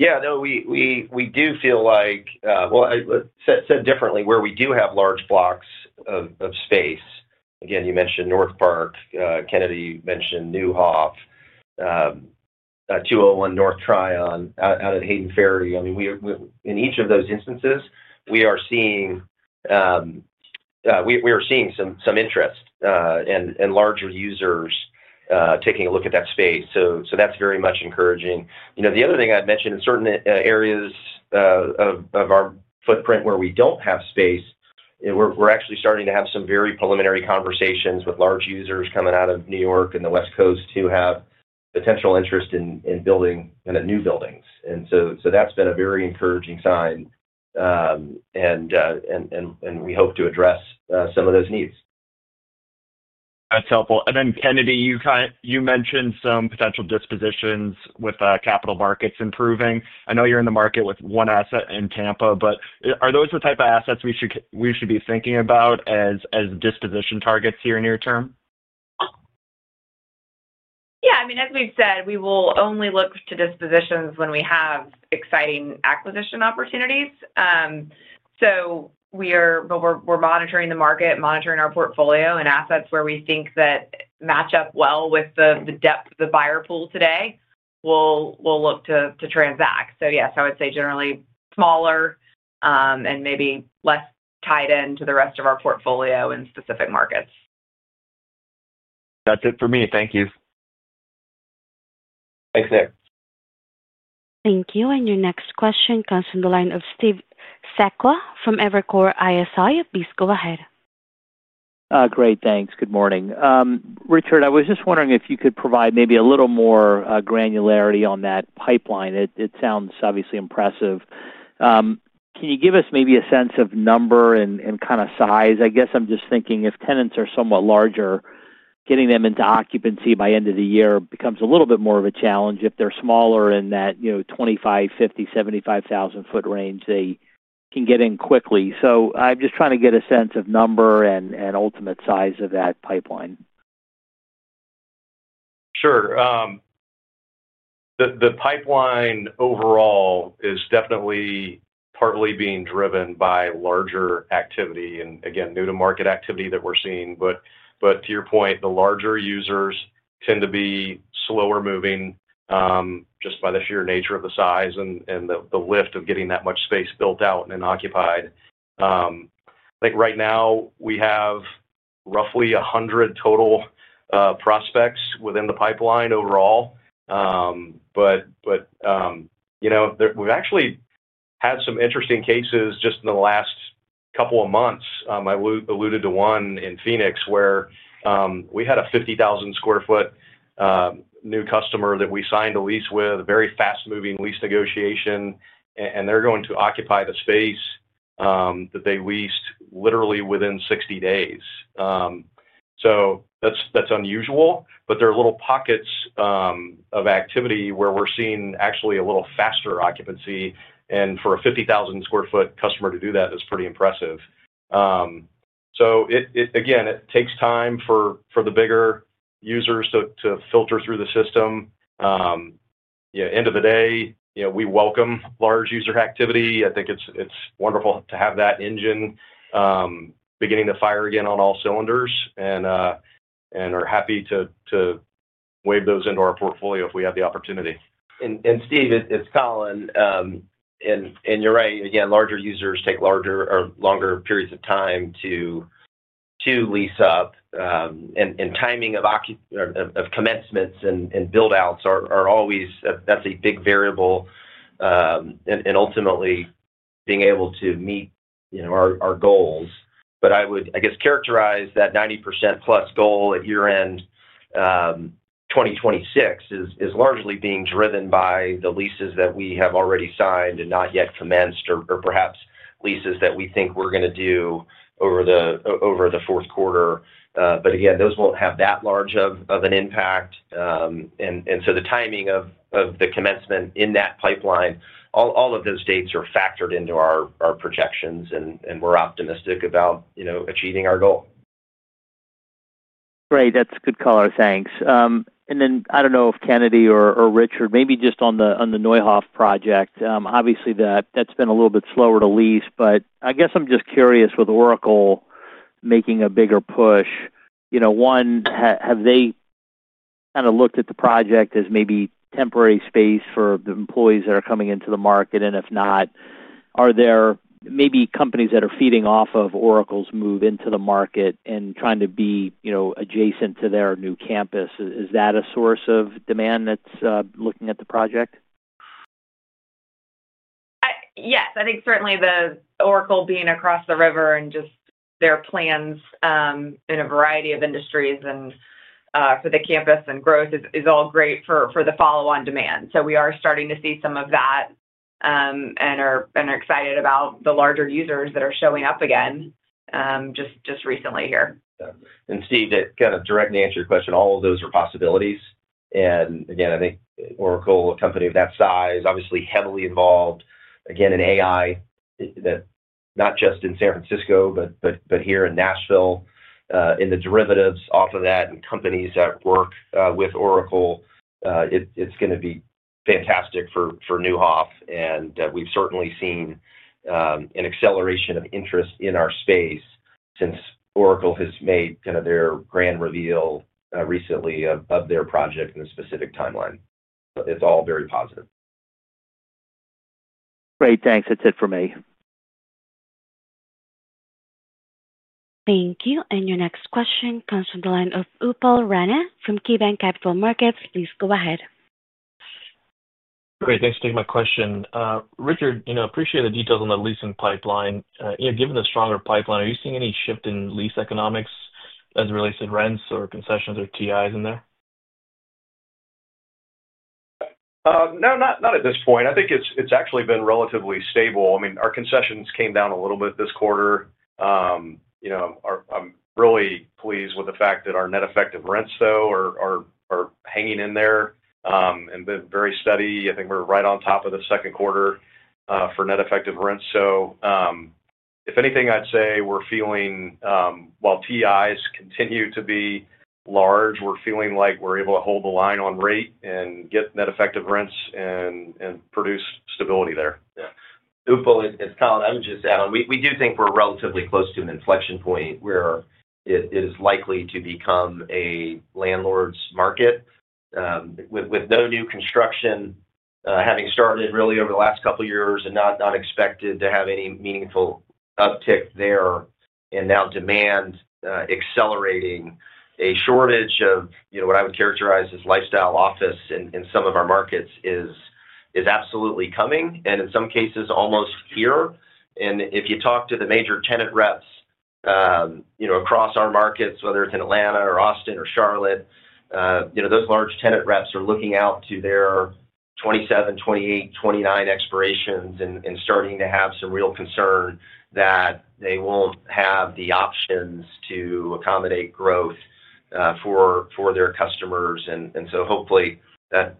Yeah. No, we do feel like, said differently, where we do have large blocks of space. Again, you mentioned North Park, Kennedy mentioned New Hawth, 201 North Tryon, out of Hayden Ferry. In each of those instances, we are seeing some interest and larger users taking a look at that space. That's very much encouraging. The other thing I'd mention, in certain areas of our footprint where we don't have space, we're actually starting to have some very preliminary conversations with large users coming out of New York and the West Coast who have potential interest in building kind of new buildings. That's been a very encouraging sign. We hope to address some of those needs. That's helpful. Kennedy, you mentioned some potential dispositions with capital markets improving. I know you're in the market with one asset in Tampa. Are those the type of assets we should be thinking about as disposition targets here in your term? Yeah. I mean, as we've said, we will only look to dispositions when we have exciting acquisition opportunities. We're monitoring the market, monitoring our portfolio, and assets where we think that match up well with the depth of the buyer pool today, we'll look to transact. Yes, I would say generally smaller and maybe less tied into the rest of our portfolio in specific markets. That's it for me. Thank you. Thanks, Nick. Thank you. Your next question comes from the line of Steve Sakwa from Evercore ISI. Please go ahead. Great. Thanks. Good morning. Richard, I was just wondering if you could provide maybe a little more granularity on that pipeline. It sounds obviously impressive. Can you give us maybe a sense of number and kind of size? I guess I'm just thinking if tenants are somewhat larger, getting them into occupancy by end of the year becomes a little bit more of a challenge. If they're smaller in that 25,000, 50,000, 75,000-foot range they can get in quickly. I'm just trying to get a sense of number and ultimate size of that pipeline. Sure. The pipeline overall is definitely partly being driven by larger activity and, again, new-to-market activity that we're seeing. To your point, the larger users tend to be slower moving just by the sheer nature of the size and the lift of getting that much space built out and occupied. I think right now we have roughly 100 total prospects within the pipeline overall. We've actually had some interesting cases just in the last couple of months. I alluded to one in Phoenix where we had a 50,000-square-foot new customer that we signed a lease with, a very fast-moving lease negotiation, and they're going to occupy the space that they leased literally within 60 days. That's unusual, but there are little pockets of activity where we're seeing actually a little faster occupancy. For a 50,000-square-foot customer to do that is pretty impressive. It takes time for the bigger users to filter through the system. End of the day, we welcome large user activity. I think it's wonderful to have that engine beginning to fire again on all cylinders and are happy to wave those into our portfolio if we have the opportunity. Steve, it's Colin. You're right. Larger users take longer periods of time to lease up, and timing of commencements and build-outs are always a big variable. Ultimately, being able to meet our goals, I guess characterize that 90%+ goal at year-end 2026 is largely being driven by the leases that we have already signed and not yet commenced, or perhaps leases that we think we're going to do over the fourth quarter. Those won't have that large of an impact. The timing of the commencement in that pipeline, all of those dates are factored into our projections, and we're optimistic about achieving our goal. Great. That's good color. Thanks. I don't know if Kennedy or Richard, maybe just on the New Hawth project. Obviously, that's been a little bit slower to lease, but I'm just curious with Oracle making a bigger push. One, have they kind of looked at the project as maybe temporary space for the employees that are coming into the market? If not, are there maybe companies that are feeding off of Oracle's move into the market and trying to be adjacent to their new campus? Is that a source of demand that's looking at the project? Yes. I think certainly Oracle being across the river and just their plans in a variety of industries and for the campus and growth is all great for the follow-on demand. We are starting to see some of that and are excited about the larger users that are showing up again just recently here. Steve, that directly answered your question. All of those are possibilities. I think Oracle, a company of that size, obviously heavily involved in AI, not just in San Francisco but here in Nashville, and the derivatives off of that and companies that work with Oracle, it's going to be fantastic for New Hawth. We've certainly seen an acceleration of interest in our space since Oracle has made their grand reveal recently of their project and the specific timeline. It's all very positive. Great. Thanks. That's it for me. Thank you. Your next question comes from the line of Upal Rana from KeyBanc Capital Markets. Please go ahead. Great. Thanks for taking my question. Richard, I appreciate the details on the leasing pipeline. Given the stronger pipeline, are you seeing any shift in lease economics as it relates to rents, or concessions, or TIs in there? No, not at this point. I think it's actually been relatively stable. I mean, our concessions came down a little bit this quarter. I'm really pleased with the fact that our net effective rents, though, are hanging in there and been very steady. I think we're right on top of the second quarter for net effective rents. If anything, I'd say we're feeling, while TIs continue to be large, we're feeling like we're able to hold the line on rate and get net effective rents and produce stability there. Yeah. Upal, it's Colin. I'm just adding, we do think we're relatively close to an inflection point where it is likely to become a landlord's market. With no new construction having started really over the last couple of years and not expected to have any meaningful uptick there, and now demand accelerating, a shortage of what I would characterize as lifestyle office in some of our markets is absolutely coming, and in some cases, almost here. If you talk to the major tenant reps across our markets, whether it's in Atlanta or Austin or Charlotte, those large tenant reps are looking out to their 2027, 2028, 2029 expirations and starting to have some real concern that they won't have the options to accommodate growth for their customers. Hopefully that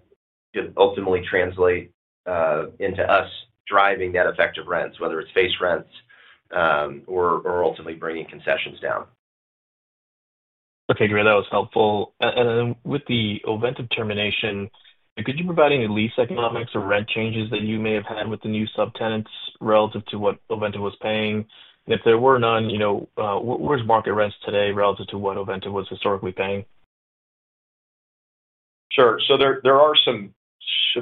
could ultimately translate into us driving net effective rents, whether it's face rents or ultimately bringing concessions down. Okay. Great. That was helpful. With the Ovintiv termination, could you provide any lease economics or rent changes that you may have had with the new subtenants relative to what Ovintiv was paying? If there were none, where's market rents today relative to what Ovintiv was historically paying? Sure, there are some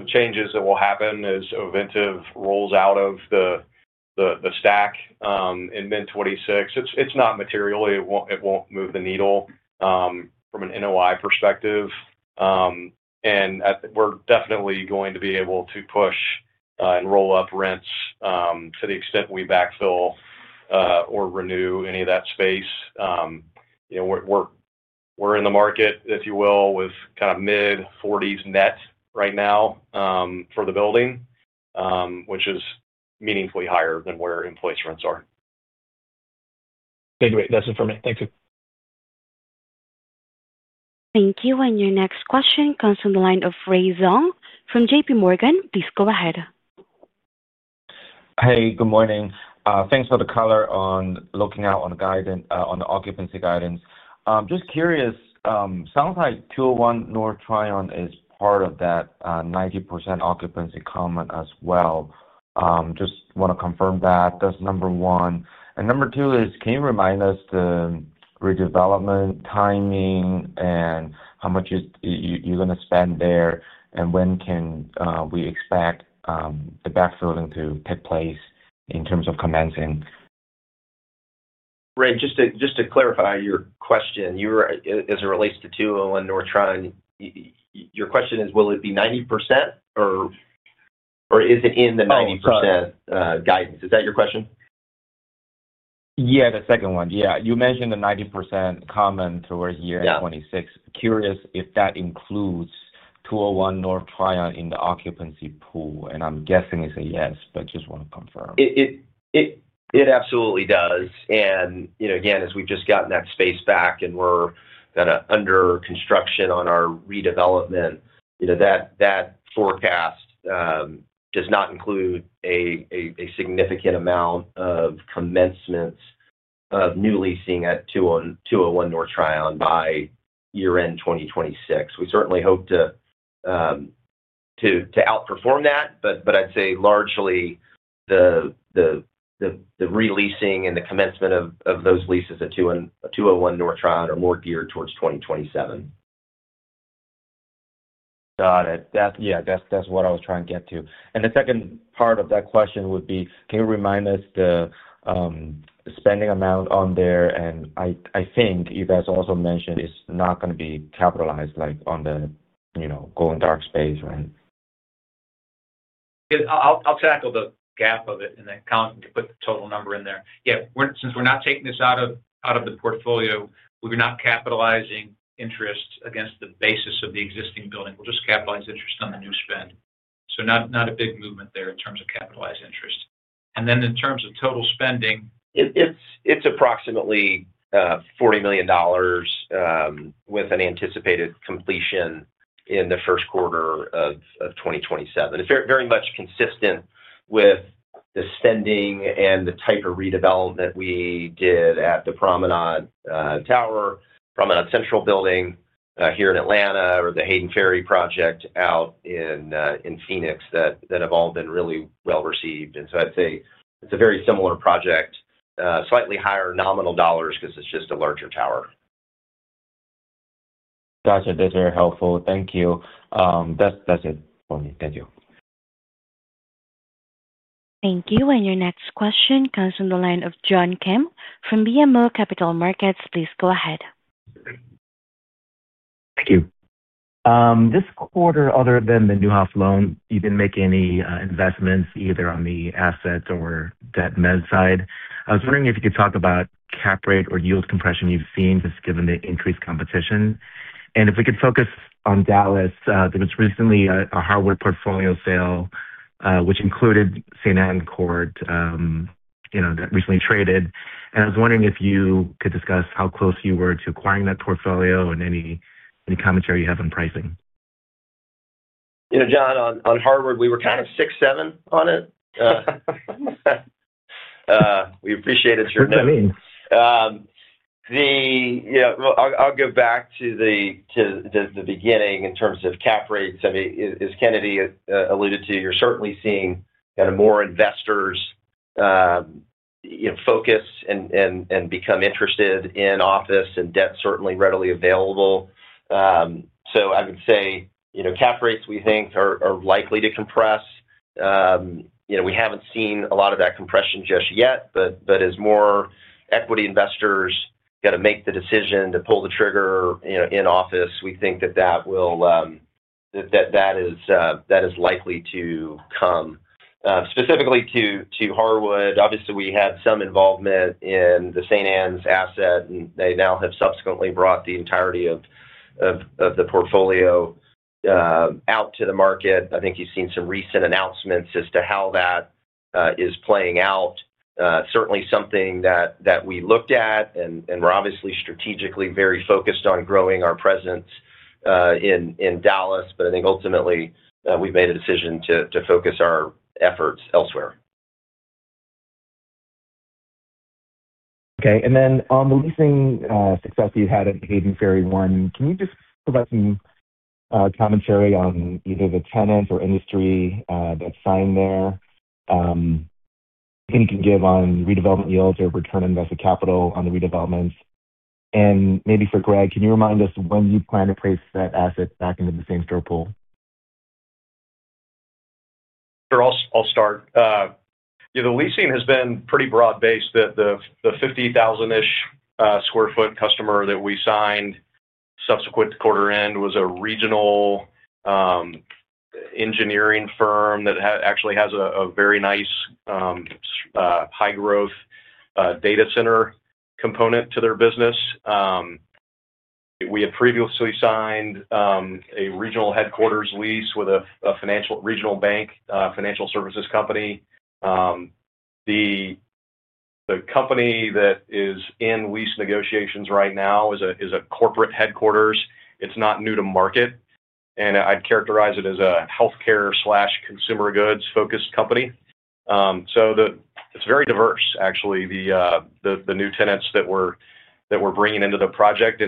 changes that will happen as Ovintiv rolls out of the stack in mid-2026. It's not material. It won't move the needle from an NOI perspective. We're definitely going to be able to push and roll up rents to the extent we backfill or renew any of that space. We're in the market, if you will, with kind of mid-$40s net right now for the building, which is meaningfully higher than where employees' rents are. Thank you, mate. That's it for me. Thank you. Thank you. Your next question comes from the line of Ray Zhong from J.P. Morgan. Please go ahead. Hey, good morning. Thanks for the color on looking out on the occupancy guidance. Just curious, sounds like 201 North Tryon is part of that 90% occupancy comment as well. Just want to confirm that. That's number one. Number two is, can you remind us the redevelopment timing and how much you're going to spend there and when can we expect the backfilling to take place in terms of commencing? Ray, just to clarify your question, as it relates to 201 North Tryon, your question is, will it be 90% or is it in the 90% guidance? Is that your question? Yeah, the second one. You mentioned the 90% comment towards year 2026. Curious if that includes 201 North Tryon in the occupancy pool. I'm guessing it's a yes, but just want to confirm. It absolutely does. As we've just gotten that space back and we're kind of under construction on our redevelopment, that forecast does not include a significant amount of commencement of new leasing at 201 North Tryon by year-end 2026. We certainly hope to outperform that, but I'd say largely the releasing and the commencement of those leases at 201 North Tryon are more geared towards 2027. Got it. Yeah, that's what I was trying to get to. The second part of that question would be, can you remind us the spending amount on there? I think you guys also mentioned it's not going to be capitalized on the going dark space, right? I'll tackle the gap of it and then put the total number in there. Since we're not taking this out of the portfolio, we're not capitalizing interest against the basis of the existing building. We'll just capitalize interest on the new spend. Not a big movement there in terms of capitalized interest. In terms of total spending. It's approximately $40 million, with an anticipated completion in the first quarter of 2027. It's very much consistent with the spending and the type of redevelopment we did at the Promenade Tower, Promenade Central Building here in Atlanta, or the Hayden Ferry project out in Phoenix that have all been really well received. I'd say it's a very similar project, slightly higher nominal dollars because it's just a larger tower. Gotcha. That's very helpful. Thank you. That's it for me. Thank you. Thank you. Your next question comes from the line of John Kim from BMO Capital Markets. Please go ahead. Thank you. This quarter, other than the New Hawth loan, you didn't make any investments either on the asset or debt mezzanine side. I was wondering if you could talk about cap rate or yield compression you've seen just given the increased competition. If we could focus on Dallas, there was recently a Harwood portfolio sale, which included St. Ann Court. That recently traded. I was wondering if you could discuss how close you were to acquiring that portfolio and any commentary you have on pricing. John, on Harwood, we were kind of six, seven on it. We appreciate it. That's what I mean. I'll go back to the beginning in terms of cap rates. I mean, as Kennedy alluded to, you're certainly seeing kind of more investors focus and become interested in office, and debt certainly readily available. I would say cap rates we think are likely to compress. We haven't seen a lot of that compression just yet, but as more equity investors got to make the decision to pull the trigger in office, we think that is likely to come. Specifically to Harwood, obviously, we had some involvement in the St. Ann's asset, and they now have subsequently brought the entirety of the portfolio out to the market. I think you've seen some recent announcements as to how that is playing out. Certainly something that we looked at, and we're obviously strategically very focused on growing our presence in Dallas. I think ultimately we've made a decision to focus our efforts elsewhere. Okay. On the leasing success you had at Hayden Ferry One, can you just provide some commentary on either the tenant or industry that signed there? Anything you can give on redevelopment yields or return on invested capital on the redevelopment? Maybe for Gregg, can you remind us when you plan to place that asset back into the same store pool? Sure. I'll start. The leasing has been pretty broad-based. The 50,000-ish square foot customer that we signed subsequent quarter-end was a regional engineering firm that actually has a very nice, high-growth data center component to their business. We had previously signed a regional headquarters lease with a regional bank financial services company. The company that is in lease negotiations right now is a corporate headquarters. It's not new to market, and I'd characterize it as a healthcare/consumer goods-focused company. It is very diverse, actually, the new tenants that we're bringing into the project.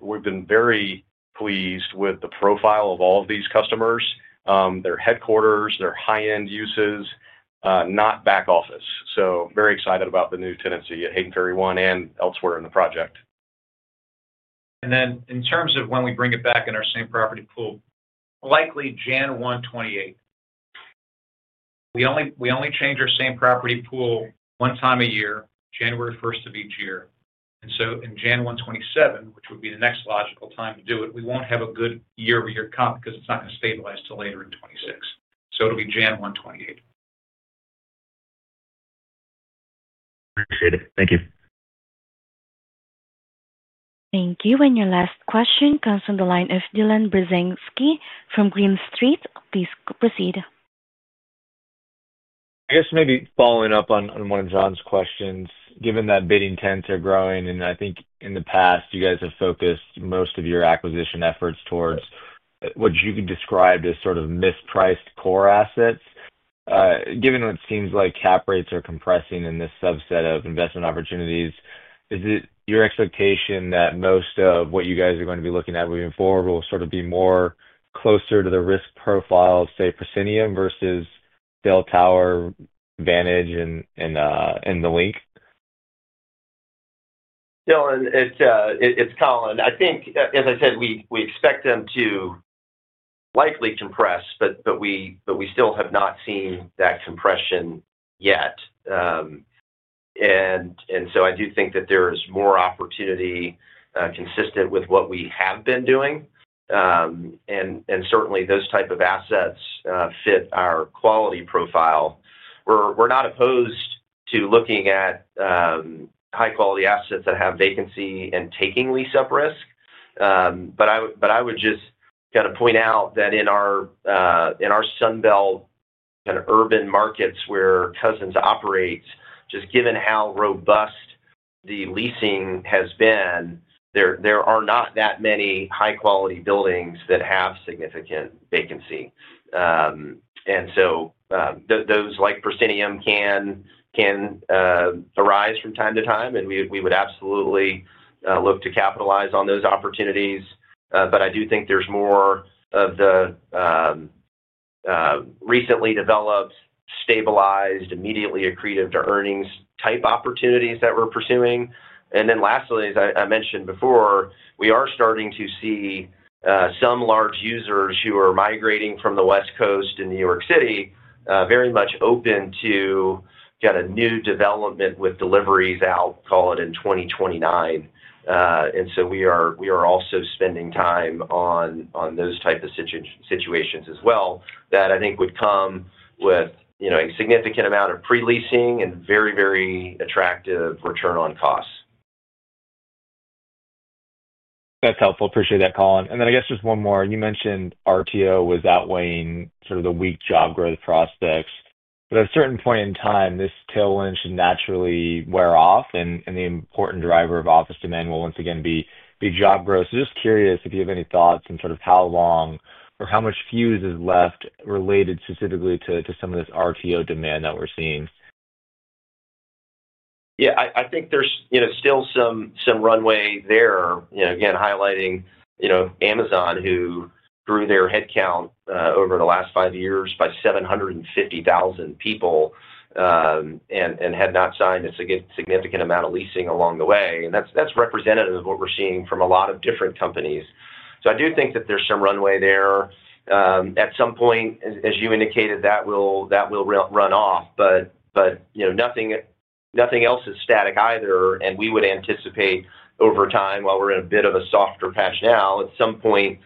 We've been very pleased with the profile of all of these customers, their headquarters, their high-end uses, not back office. Very excited about the new tenancy at Hayden Ferry One and elsewhere in the project. In terms of when we bring it back in our same property pool, likely January 1st, 2028. We only change our same property pool one time a year, January 1st of each year. In January 1st, 2027, which would be the next logical time to do it, we won't have a good year-over-year comp because it's not going to stabilize till later in 2026. It will be January 1st, 2028. Appreciate it. Thank you. Thank you. Your last question comes from the line of Dylan Burzinski from Green Street. Please proceed. I guess maybe following up on one of John's questions, given that bidding tends to grow, and I think in the past, you guys have focused most of your acquisition efforts towards what you can describe as sort of mispriced core assets. Given what it seems like cap rates are compressing in this subset of investment opportunities, is it your expectation that most of what you guys are going to be looking at moving forward will sort of be more closer to the risk profile of, say, Persinium versus Dell Tower, Vantage, and The Link? Dylan, it's Colin. I think, as I said, we expect them to likely compress, but we still have not seen that compression yet. I do think that there is more opportunity consistent with what we have been doing. Certainly, those types of assets fit our quality profile. We're not opposed to looking at high-quality assets that have vacancy and taking lease-up risk. I would just point out that in our Sun Belt kind of urban markets where Cousins operates, just given how robust the leasing has been, there are not that many high-quality buildings that have significant vacancy. Those like Persinium can arise from time to time, and we would absolutely look to capitalize on those opportunities. I do think there's more of the recently developed, stabilized, immediately accretive to earnings type opportunities that we're pursuing. Lastly, as I mentioned before, we are starting to see some large users who are migrating from the West Coast and New York City very much open to new development with deliveries out, call it in 2029. We are also spending time on those types of situations as well that I think would come with a significant amount of pre-leasing and very, very attractive return on costs. That's helpful. Appreciate that, Colin. I guess just one more. You mentioned RTO was outweighing sort of the weak job growth prospects. At a certain point in time, this tailwind should naturally wear off, and the important driver of office demand will once again be job growth. Just curious if you have any thoughts on sort of how long or how much fuse is left related specifically to some of this RTO demand that we're seeing. Yeah. I think there's still some runway there. Again, highlighting Amazon, who grew their headcount over the last five years by 750,000 people and had not signed a significant amount of leasing along the way. That's representative of what we're seeing from a lot of different companies. I do think that there's some runway there. At some point, as you indicated, that will run off, but nothing else is static either. We would anticipate over time, while we're in a bit of a softer patch now, at some point,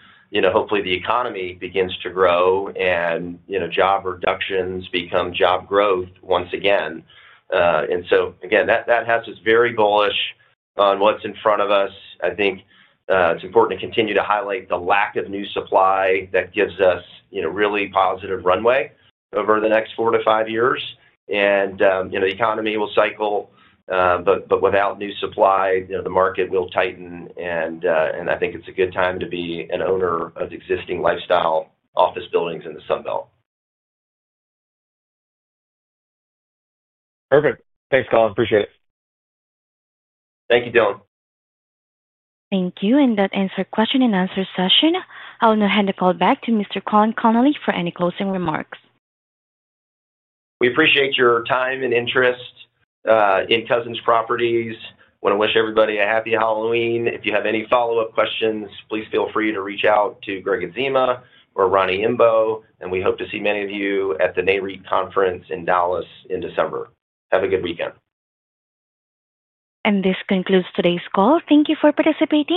hopefully, the economy begins to grow and job reductions become job growth once again. That has us very bullish on what's in front of us. I think it's important to continue to highlight the lack of new supply that gives us really positive runway over the next four to five years. The economy will cycle, but without new supply, the market will tighten. I think it's a good time to be an owner of existing lifestyle office buildings in the Sun Belt. Perfect. Thanks, Colin. Appreciate it. Thank you. Thank you. That ends our question-and-answer session. I'll now hand the call back to Mr. Colin Connolly for any closing remarks. We appreciate your time and interest in Cousins Properties. I want to wish everybody a happy Halloween. If you have any follow-up questions, please feel free to reach out to Gregg Adzema or Ronnie Imbo, and we hope to see many of you at the NAREIT Conference in Dallas in December. Have a good weekend. This concludes today's call. Thank you for participating.